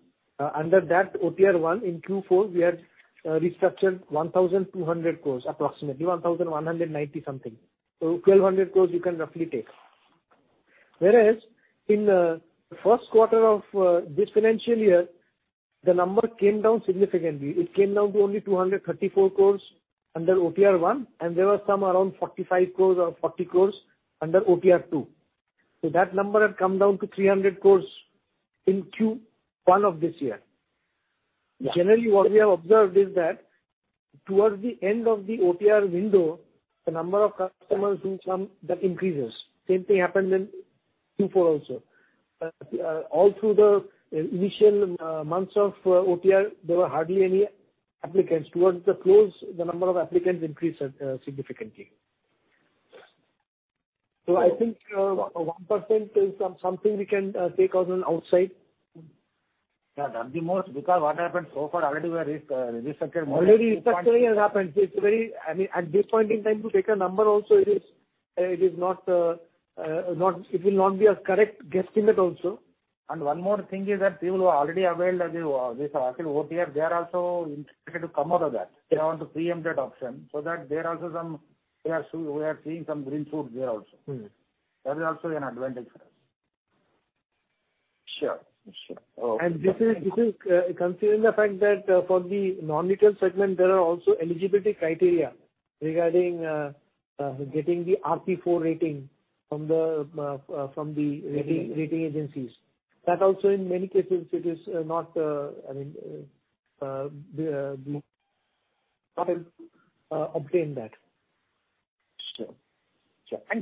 Under that OTR 1.0 in Q4, we had restructured 1,200 crores approximately, 1,190 something. 1,200 crores you can roughly take. Whereas in the first quarter of this financial year, the number came down significantly. It came down to only 234 crores under OTR 1.0, and there were some around 45 crores or 40 crores under OTR 2.0. That number had come down to 300 crores in Q1 of this year. Yeah. Generally, what we have observed is that towards the end of the OTR window, the number of customers who come, that increases. Same thing happened in Q4 also. All through the initial months of OTR, there were hardly any applicants. Towards the close, the number of applicants increased significantly. I think 1% is something we can take as an outside. Yeah, that's the most because what happened so far already we have restructured more. Already restructuring has happened. At this point in time, to take a number also, it will not be a correct guesstimate also. One more thing is that people who already availed this actual OTR, they are also interested to come out of that. They want to pre-empt that option, so that we are seeing some green shoots there also. That is also an advantage for us. Sure. Okay. This is considering the fact that for the non-retail segment, there are also eligibility criteria regarding getting the RP4 rating from the. Rating. Rating agencies, that also in many cases, it is not obtained that. Sure.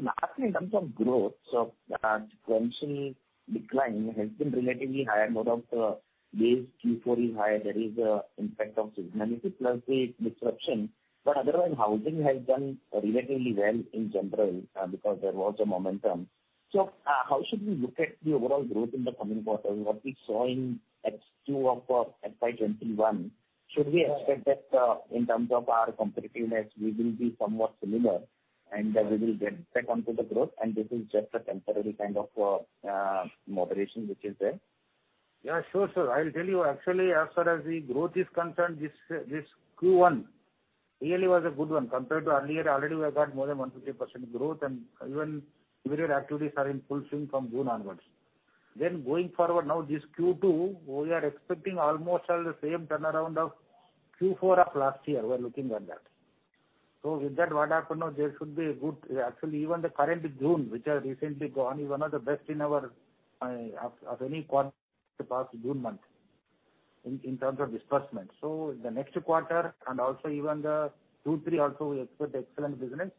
Lastly, in terms of growth, sequential decline has been relatively high and lot of the base Q4 is high. There is impact of seasonality plus the disruption. Otherwise, housing has done relatively well in general because there was a momentum. How should we look at the overall growth in the coming quarter? What we saw in H2 of FY 2021, should we expect that in terms of our competitiveness, we will be somewhat similar and we will get back onto the growth and this is just a temporary kind of moderation which is there? Yeah, sure. I'll tell you, actually, as far as the growth is concerned, this Q1 really was a good one compared to earlier. Already we have got more than 1%-3% growth and even myriad activities are in full swing from June onwards. Going forward, now this Q2, we are expecting almost the same turnaround of Q4 of last year. We're looking at that. With that, what happen now, there should be a good Actually, even the current June, which has recently gone, is one of the best of any quarter the past June month in terms of disbursement. The next quarter and also even the Q3 also, we expect excellent business.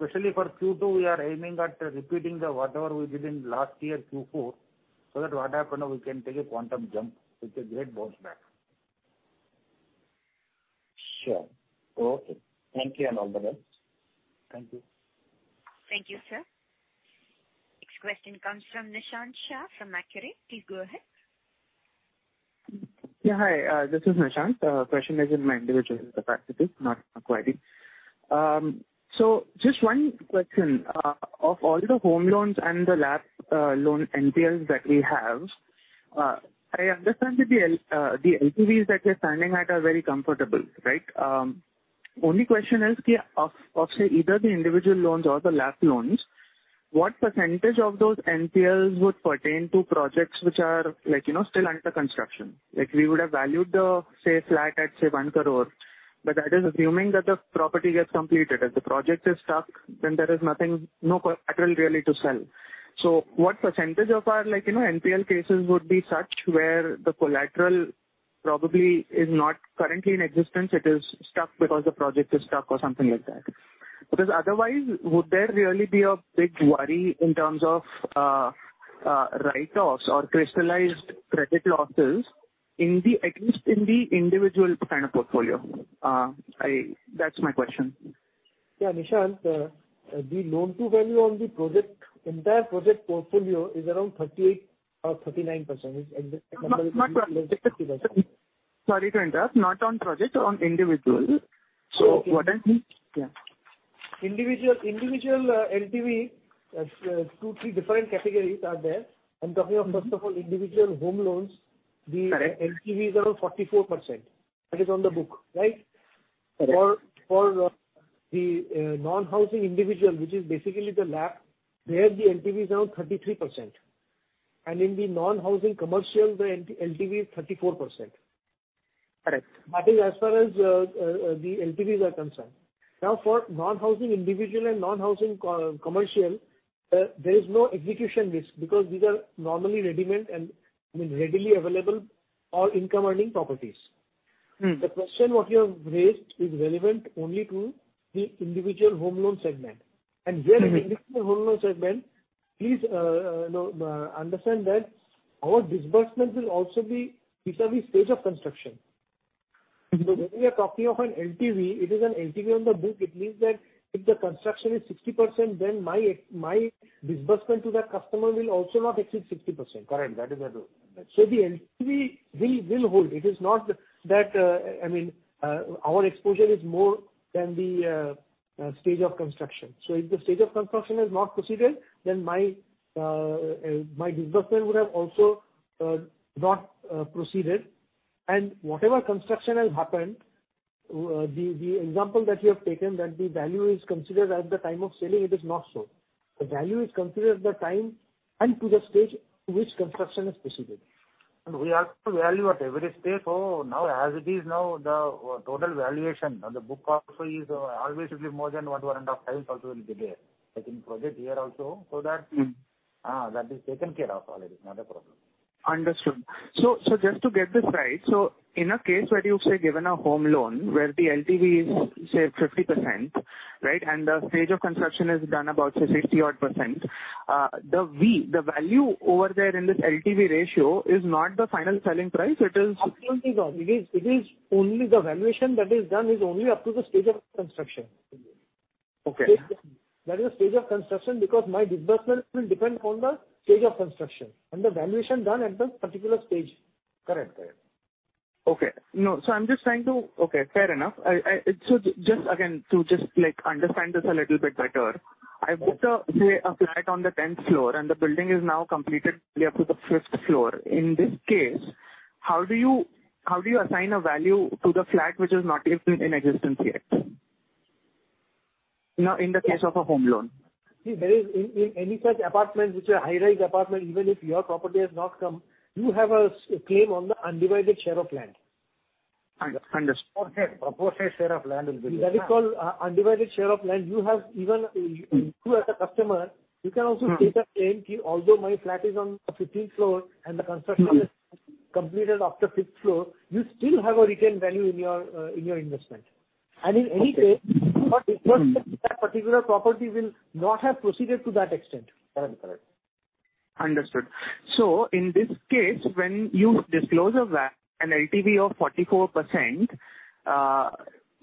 Especially for Q2, we are aiming at repeating whatever we did in last year Q4, so that what happen now, we can take a quantum jump with a great bounce back. Sure. Okay. Thank you, and all the best. Thank you. Thank you, sir. Next question comes from Nishant Shah from Macquarie. Please go ahead. Hi. This is Nishant. Question is in my individual capacity, not Macquarie. Just one question. Of all the home loans and the LAP loan NPLs that we have, I understand that the LTVs that we're standing at are very comfortable, right? Only question is, of, say, either the individual loans or the LAP loans, what % of those NPLs would pertain to projects which are still under construction? We would have valued the, say, flat at, say, 1 crore, that is assuming that the property gets completed. If the project is stuck, there is no collateral really to sell. What percentage of our NPL cases would be such where the collateral probably is not currently in existence, it is stuck because the project is stuck or something like that? Otherwise, would there really be a big worry in terms of write-offs or crystallized credit losses, at least in the individual kind of portfolio. That's my question. Yeah, Nishant, the loan-to-value on the entire project portfolio is around 38% or 39%. Sorry to interrupt, not on project, on individual. What does it mean? Yeah. Individual LTV, two, three different categories are there. I'm talking of, first of all, individual home loans. Correct. The LTV is around 44%. That is on the book, right? Correct. For the non-housing individual, which is basically the LAP, there the LTV is now 33%. In the non-housing commercial, the LTV is 34%. Correct. That is as far as the LTVs are concerned. Now, for non-housing individual and non-housing commercial, there is no execution risk because these are normally readily available or income-earning properties. The question what you have raised is relevant only to the individual home loan segment. Here in the individual home loan segment, please understand that our disbursements will also be vis-à-vis stage of construction. When we are talking of an LTV, it is an LTV on the book. It means that if the construction is 60%, then my disbursement to that customer will also not exceed 60%. Correct. That is the rule. The LTV will hold. Our exposure is more than the stage of construction. If the stage of construction has not proceeded, then my disbursement would have also not proceeded, and whatever construction has happened, the example that you have taken that the value is considered at the time of selling, it is not so. The value is considered at the time and to the stage to which construction has proceeded. We have to value at every stage. Now, as it is now, the total valuation on the book also is always will be more than what 105 also will be there. I think project here also. That is taken care of. It is not a problem. Understood. Just to get this right, in a case where you say given a home loan where the LTV is, say, 50%, right, and the stage of construction is done about, say, 60%-odd, the V, the value over there in this LTV ratio is not the final selling price. Absolutely wrong. The valuation that is done is only up to the stage of construction. Okay. That is the stage of construction because my disbursement will depend upon the stage of construction and the valuation done at that particular stage. Correct. Okay. Fair enough. Just again, to just understand this a little bit better, I book, say, a flat on the 10th floor and the building is now completed up to the fifth floor. In this case, how do you assign a value to the flat which is not in existence yet? In the case of a home loan. See, in any such apartment, which are high-rise apartment, even if your property has not come, you have a claim on the undivided share of land. Understood. Proportionate share of land. That is called undivided share of land. You as a customer, you can also state a claim key, although my flat is on the 15th floor and the construction is completed after fifth floor, you still have a retained value in your investment. In any case, that particular property will not have proceeded to that extent. Correct. Understood. In this case, when you disclose an LTV of 44%,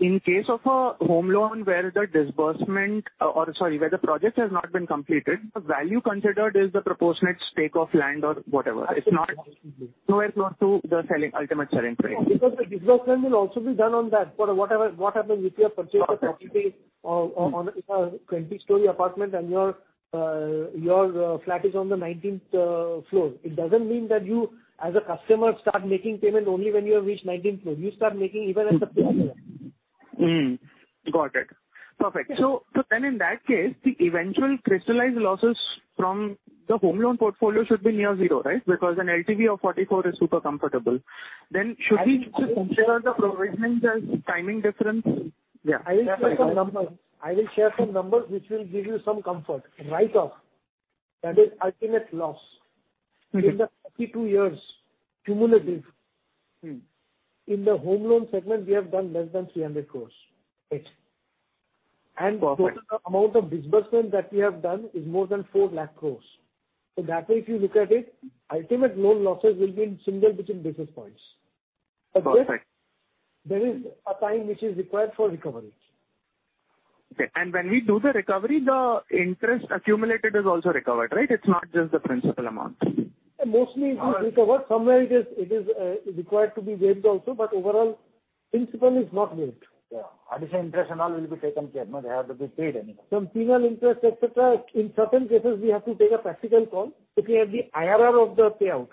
in case of a home loan where the project has not been completed, the value considered is the proportionate stake of land or whatever. It's nowhere close to the ultimate selling price. The disbursement will also be done on that. What happens if you have purchased a property on a 20-story apartment and your flat is on the 19th floor? It doesn't mean that you, as a customer, start making payment only when you have reached 19th floor. You start making even at the end. Mm-hmm. Got it. Perfect. In that case, the eventual crystallized losses from the home loan portfolio should be near zero, right? Because an LTV of 44 is super comfortable. Should we just consider the provision as timing difference? Yeah. I will share some numbers which will give you some comfort. Write-off. That is ultimate loss. In the 52 years cumulative, in the home loan segment, we have done less than 300 crores. Perfect. The total amount of disbursement that we have done is more than 400,000 crore. That way, if you look at it, ultimate loan losses will be in single-digit basis points. Perfect. There is a time which is required for recovery. Okay. When we do the recovery, the interest accumulated is also recovered, right? It's not just the principal amount. Mostly it is recovered. Somewhere it is required to be waived also, but overall, principal is not waived. Yeah. Additional interest and all will be taken care. They have to be paid anyway. Some penal interest, et cetera. In certain cases, we have to take a practical call, looking at the IRR of the payout,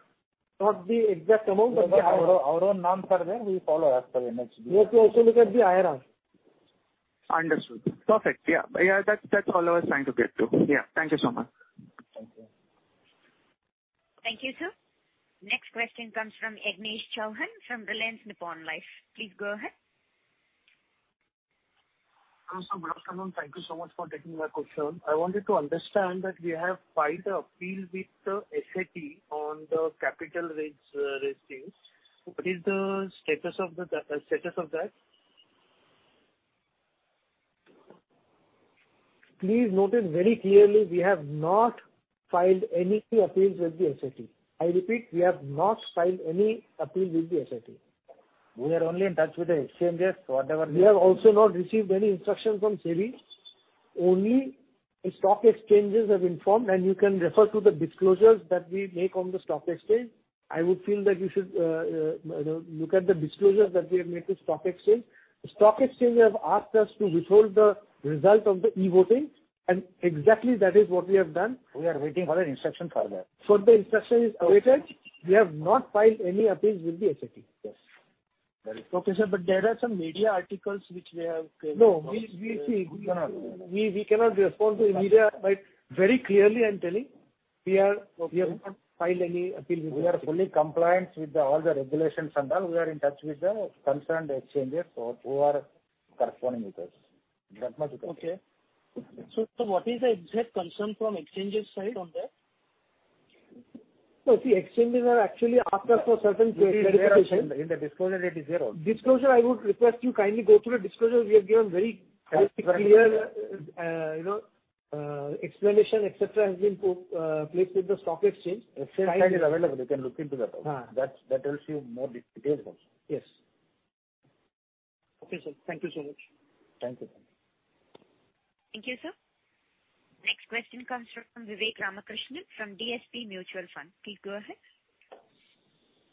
not the exact amount. Our own norms are there. We follow as per NHB. We have to also look at the IRR. Understood. Perfect. Yeah. That's all I was trying to get to. Yeah. Thank you so much. Thank you. Thank you, sir. Next question comes from Avnish Chauhan from Reliance Nippon Life. Please go ahead. Good afternoon. Thank you so much for taking my question. I wanted to understand that we have filed the appeal with the SAT on the capital raise ratings. What is the status of that? Please note it very clearly, we have not filed any appeals with the SAT. I repeat, we have not filed any appeal with the SAT. We are only in touch with the exchanges. We have also not received any instructions from SEBI. Only stock exchanges have informed, and you can refer to the disclosures that we make on the stock exchange. I would feel that you should look at the disclosures that we have made to stock exchange. Stock exchange have asked us to withhold the result of the e-voting, and exactly that is what we have done. We are waiting for an instruction further. The instruction is awaited. We have not filed any appeals with the SAT. Yes. Very clear. Okay, sir. There are some media articles which we have. No. We cannot respond to the media, but very clearly I'm telling, we have not filed any appeal with the SAT. We are fully compliant with all the regulations, and all. We are in touch with the concerned exchanges who are corresponding with us. That much. Okay. What is the exact concern from exchanges side on that? No. See, exchanges have actually asked us for certain clarifications. In the disclosure it is there. Disclosure, I would request you kindly go through the disclosure. We have given very clear explanation, et cetera, has been placed with the stock exchange. Exchange side is available. You can look into that also. Huh. That tells you more details also. Yes. Okay, sir. Thank you so much. Thank you. Thank you, sir. Next question comes from Vivek Ramakrishnan from DSP Mutual Fund. Please go ahead.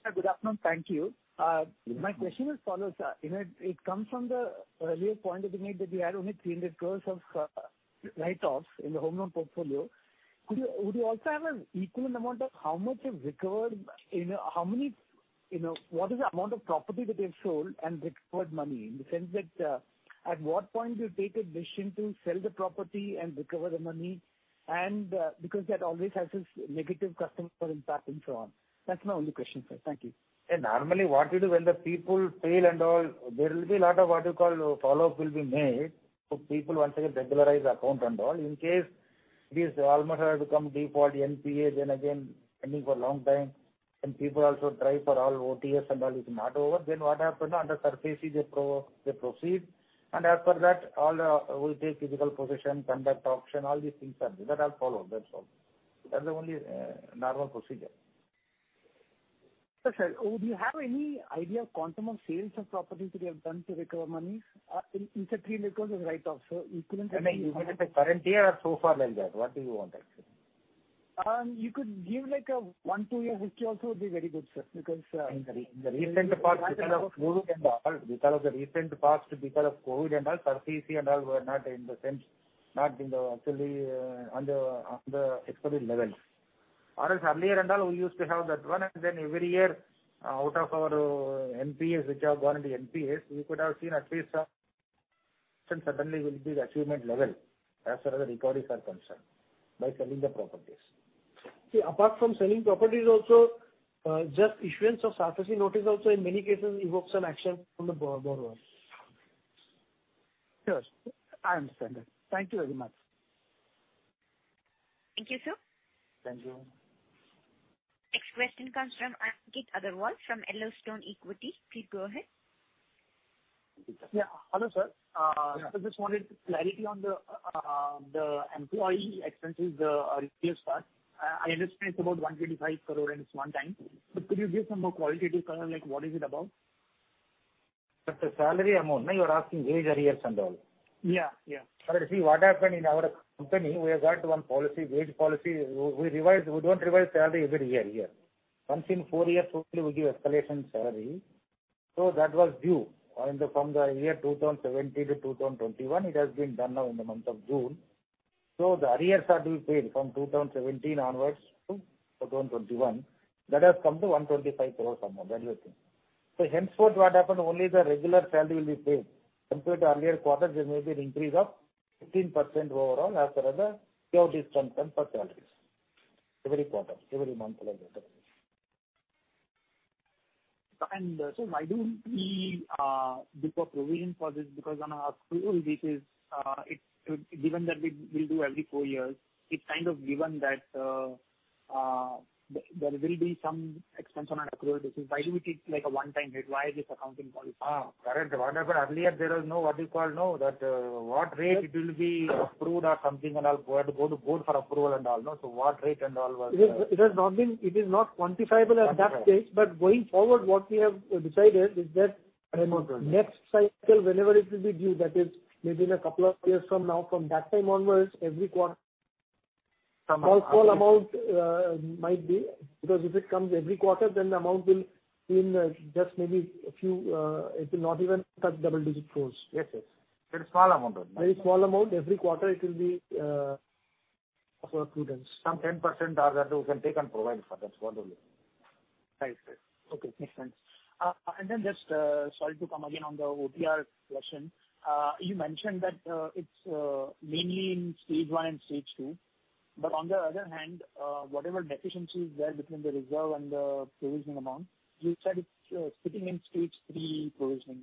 Sir, good afternoon. Thank you. My question is follows. It comes from the earlier point that you made that you had only 300 crores of write-offs in the home loan portfolio. Would you also have an equivalent amount of how much you've recovered? What is the amount of property that you have sold and recovered money, in the sense that, at what point do you take a decision to sell the property and recover the money? That always has its negative customer impact and so on. That's my only question, sir. Thank you. Normally, what we do when the people fail and all, there will be a lot of what you call, follow-up will be made for people once they regularize account and all. In case these almost have become default NPA, then again, pending for long time, and people also try for all OTS and all, it's not over, then what happens? Under SARFAESI they proceed, and after that we'll take physical possession, conduct auction, all these things are there. That all follow, that's all. That's the only normal procedure. Sir, would you have any idea of quantum of sales of properties that you have done to recover money? In say, 300 crores is write-off. You mean in the current year or so far than that? What do you want actually? You could give like a one, two year history also would be very good, sir. In the recent past because of COVID and all, SARFAESI and all were not in the actual expected levels. Earlier and all, we used to have that one, and then every year, out of our NPAs, which have gone into NPAs, you could have seen at least some, and suddenly will be the achievement level as far as the recoveries are concerned by selling the properties. See, apart from selling properties also, just issuance of SARFAESI notice also in many cases evokes some action from the borrower. Sure. I understand that. Thank you very much. Thank you, sir. Thank you. Next question comes from Ankit Agrawal from Yellowstone Equity. Please go ahead. Yeah. Hello, sir. Yeah. I just wanted clarity on the employee expenses arrears part. I understand it's about 125 crore and it's one time. Could you give some more qualitative color, like, what is it about? That's a salary amount. You're asking wage arrears and all? Yeah. See what happened in our company, we have got one policy, wage policy. We don't revise salary every year here. Once in four years only we give escalation salary. That was due from the year 2017 to 2021. It has been done now in the month of June. The arrears are being paid from 2017 onwards to 2021. That has come to 125 crore, somewhere, that you are seeing. Henceforth what happen, only the regular salary will be paid. Compared to earlier quarters, there may be an increase of 15% overall as far as the pay out is concerned for salaries every quarter, every month like that. Sir, why don't we book a provision for this? Because on our accrual basis, given that we'll do every four years, it's kind of given that there will be some expense on an accrual basis. Why do we take like a one time hit? Why this accounting policy? Correct. What happened earlier, there was no what you call, that what rate it will be approved or something and all. We had to go to board for approval and all. It is not quantifiable at that stage. Going forward, what we have decided is that next cycle, whenever it will be due, that is maybe in two years from now, from that time onwards, every quarter. Small amount might be, because if it comes every quarter, then the amount will just not even touch double-digit crores. Yes. Very small amount only. Very small amount. Every quarter it will be as per prudence. Some 10% or other you can take and provide for that, what all. Right, sir. Okay. Makes sense. Just, sorry to come again on the OTR question. You mentioned that it's mainly in stage 1 and stage 2. On the other hand, whatever deficiency is there between the reserve and the provision amount, you said it's sitting in stage 3 provisioning.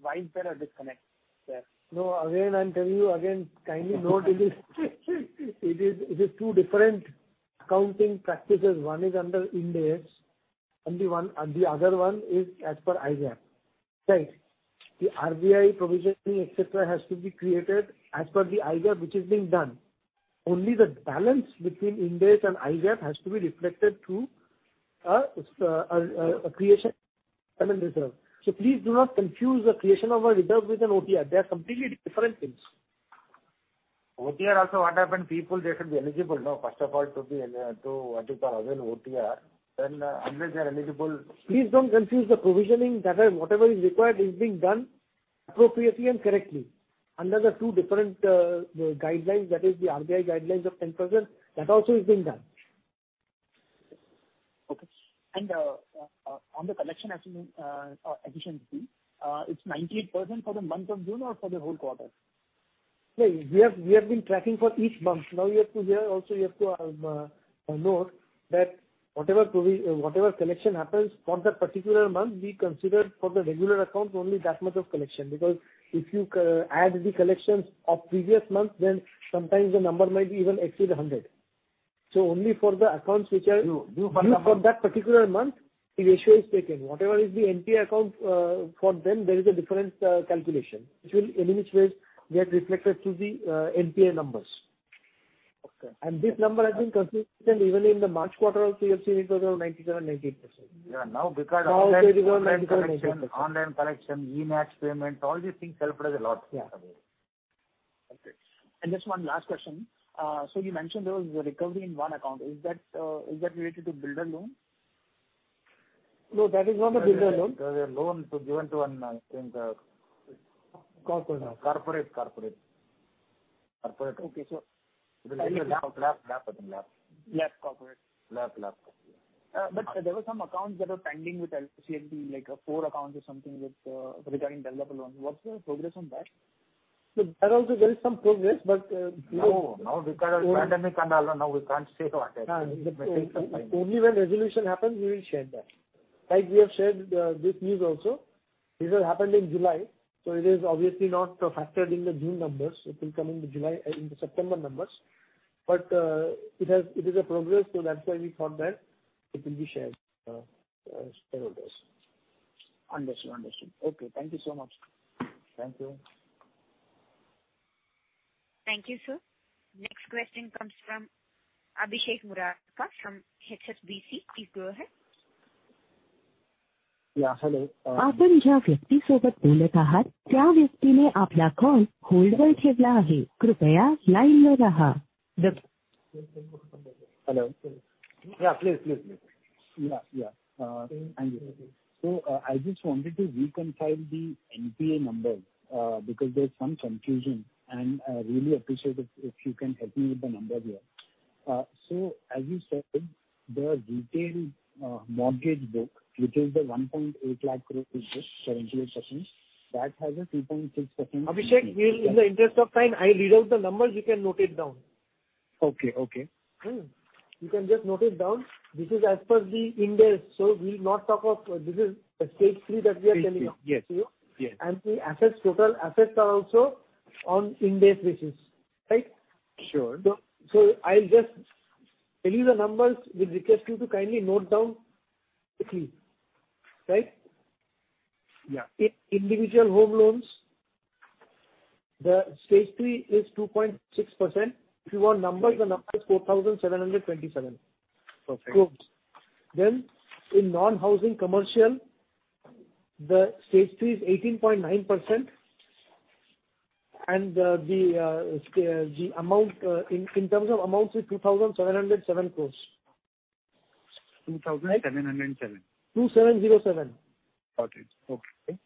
Why is there a disconnect there? No, again, I'm telling you again, kindly note it is two different accounting practices. One is under Ind AS, and the other one is as per IFRS. Thanks. The RBI provisioning, et cetera, has to be created as per the IRAC, which is being done. Only the balance between Ind AS and IRAC has to be reflected through a creation, I mean, reserve. Please do not confuse the creation of a reserve with an OTR. They are completely different things. OTR also what happened, people, they should be eligible now, first of all, to what you call even OTR, then unless they are eligible. Please don't confuse the provisioning. Whatever is required is being done appropriately and correctly under the two different guidelines. That is the RBI guidelines of 10%, that also is being done. Okay. On the collection efficiency, it is 98% for the month of June or for the whole quarter? We have been tracking for each month. Here also you have to note that whatever collection happens for that particular month, we consider for the regular account only that much of collection. If you add the collections of previous months, then sometimes the number might even exceed 100. Only for the accounts which are- Due for the month. due for that particular month, the ratio is taken. Whatever is the NPA account, for them, there is a different calculation, which will, in any case, get reflected through the NPA numbers. Okay. This number has been consistent even in the March quarter also, you have seen it was around 97%, 98%. Yeah. Now because of. Now it is around 97%-98%. online collection, e-NACH payment, all these things helped us a lot. Yeah. Okay. Just one last question. You mentioned there was a recovery in one account. Is that related to builder loan? No, that is not a builder loan. That is a loan given to one, I think. Corporate. Corporate. Corporate, okay. It is a LAP, I think. LAP corporate. LAP. There were some accounts that were pending with NCLT, like four accounts or something regarding developer loans. What's the progress on that? Look, that also there is some progress. No. Now because of pandemic and all, now we can't say what. Only when resolution happens, we will share that. Like we have shared this news also. This has happened in July, so it is obviously not factored in the June numbers. It will come in the September numbers. It is a progress, so that's why we thought that it will be shared with shareholders. Understood. Okay. Thank you so much. Thank you. Thank you, sir. Next question comes from Abhishek Murarka from HSBC. Please go ahead. Yeah, hello. Hello. Yeah. Please. Yeah. Thank you. I just wanted to reconcile the NPA numbers, because there's some confusion, and I really appreciate it if you can help me with the numbers here. As you said, the retail mortgage book, which is the 1.8 lakh crore, 78%, that has a 3.6%- Abhishek, in the interest of time, I'll read out the numbers, you can note it down. Okay. You can just note it down. This is as per the Ind AS. This is the stage 3 that we are telling out to you. Yes. The total assets are also on Ind AS basis. Right? Sure. I'll just tell you the numbers. Will request you to kindly note down quickly. Right? Yeah. Individual home loans, the stage 3 is 2.6%. If you want numbers, the number is 4,727. Perfect. Crores. In non-housing commercial, the stage 3 is 18.9%, and in terms of amount is 2,707 crores. 2,707. 2-7-0-7. Got it. Okay.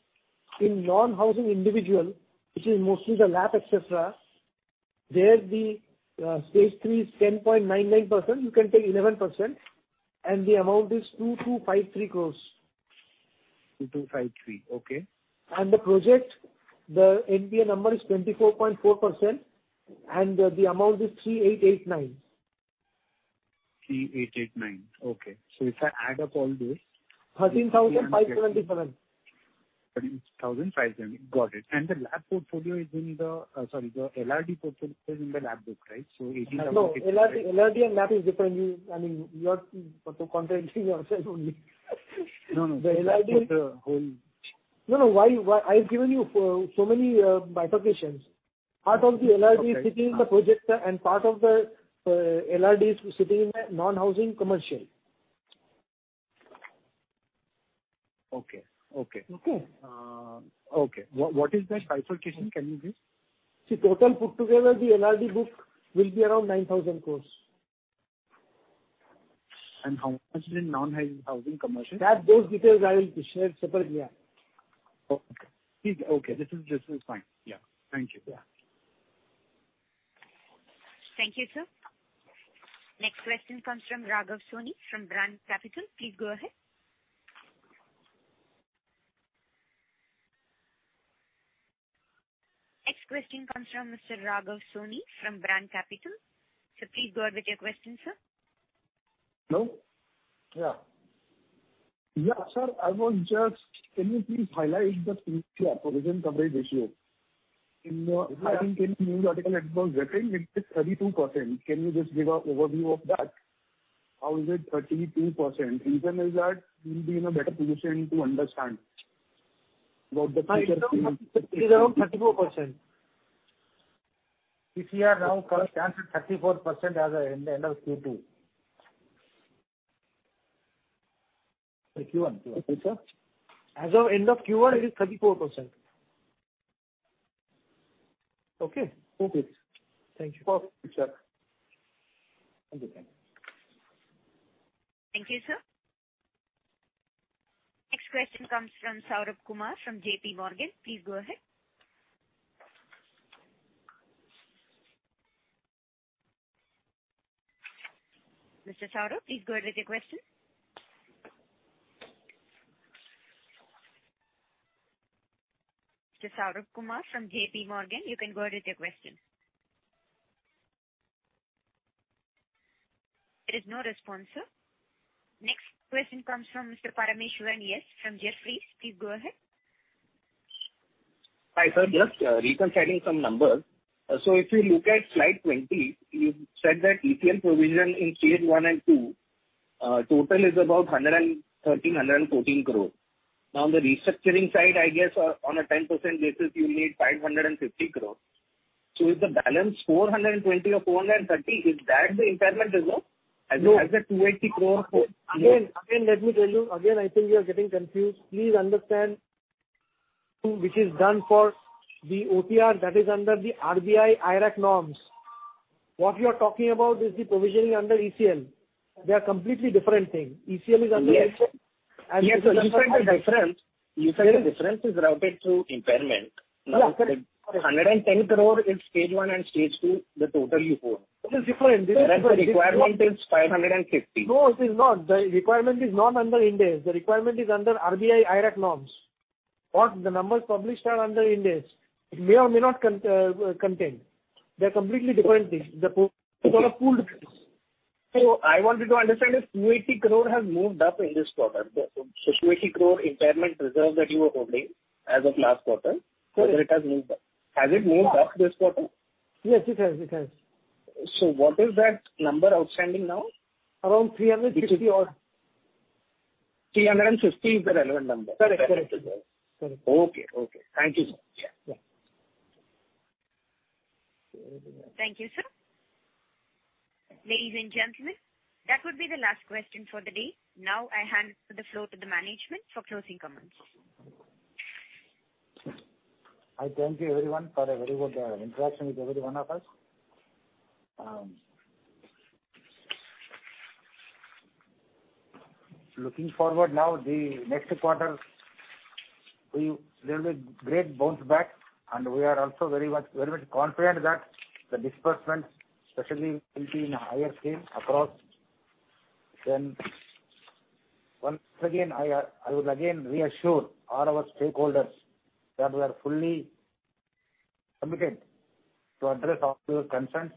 In non-housing individual, which is mostly the LAP, et cetera, there the stage 3 is 10.99%. You can take 11%, and the amount is 2,253 crores. 2,253. Okay. The project, the NPA number is 24.4%, and the amount is 3,889. 3,889. Okay. If I add up all this. 13,527. 13,527. Got it. The LRD portfolio is in the LAP book, right? 18. No. LRD and LAP is different. I mean, you have to concentrate on yourself only. No. The LRD- Whole- No. I've given you so many bifurcations. Okay. Part of the LRD sitting in the project, and part of the LRD sitting in the non-housing commercial. Okay. Okay? Okay. What is the bifurcation, can you give? Total put together the LRD book will be around 9,000 crores. How much is in non-housing commercial? That, those details I will share separately. Okay. This is fine. Yeah. Thank you. Yeah. Thank you, sir. Next question comes from Raghav Soni from Bramh Capital. Please go ahead. Next question comes from Mr. Raghav Soni from Bramh Capital. Please go ahead with your question, sir. Hello? Yeah. Yeah, sir. Can you please highlight the INR 10 crore provision coverage ratio? I think in news article it was written it is 32%. Can you just give an overview of that? How is it 32%? If you can tell that, we'll be in a better position to understand about the future. It is around 34%. PCR now stands at 34% as at the end of Q2. Q1. As of end of Q1, it is 34%. Okay? Okay. Thank you. Perfect. Thank you. Thank you, sir. Next question comes from Saurabh Kumar from J.P. Morgan. Please go ahead. Mr. Saurabh, please go ahead with your question. Mr. Saurabh Kumar from J.P. Morgan, you can go ahead with your question. There is no response, sir. Next question comes from Mr. Parameswaran S from Jefferies. Please go ahead. Hi, sir. Just reconciling some numbers. If you look at slide 20, you said that ECL provision in stage 1 and 2, total is about 113-114 crore. On the restructuring side, I guess on a 10% basis, you need 550 crore. Is the balance 420 or 430, is that the impairment reserve? No. As of 280 crore. Again, let me tell you. Again, I think you are getting confused. Please understand, which is done for the OTR that is under the RBI IRAC norms. What you are talking about is the provisioning under ECL. They are completely different things. ECL is under- Yes. Yes, the difference is routed through impairment. Yeah. 110 crore in stage 1 and stage 2, the total you hold. It is different. The requirement is 550. No, it is not. The requirement is not under Ind AS. The requirement is under RBI IRAC norms. What the numbers published are under Ind AS. It may or may not contain. They are completely different things. They are pooled. I wanted to understand if INR 280 crore has moved up in this quarter. INR 280 crore impairment reserve that you were holding as of last quarter, whether it has moved up. Has it moved up this quarter? Yes, it has. What is that number outstanding now? Around 350 odd. 360 is the relevant number. Correct. Okay. Thank you, sir. Yeah. Thank you, sir. Ladies and gentlemen, that would be the last question for the day. Now I hand the floor to the management for closing comments. I thank you everyone for a very good interaction with every one of us. Looking forward now, the next quarter, will be great bounce back. We are also very much confident that the disbursement especially will be in a higher scale across. Once again, I will again reassure all our stakeholders that we are fully committed to address all your concerns.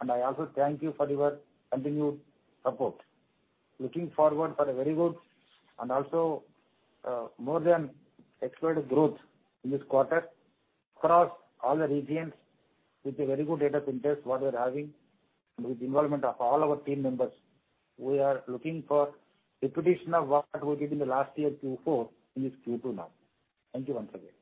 I also thank you for your continued support. Looking forward for a very good and also more than expected growth in this quarter across all the regions with a very good rate of interest, what we are having. With involvement of all our team members, we are looking for repetition of what we did in the last year Q4, in this Q2 now. Thank you once again.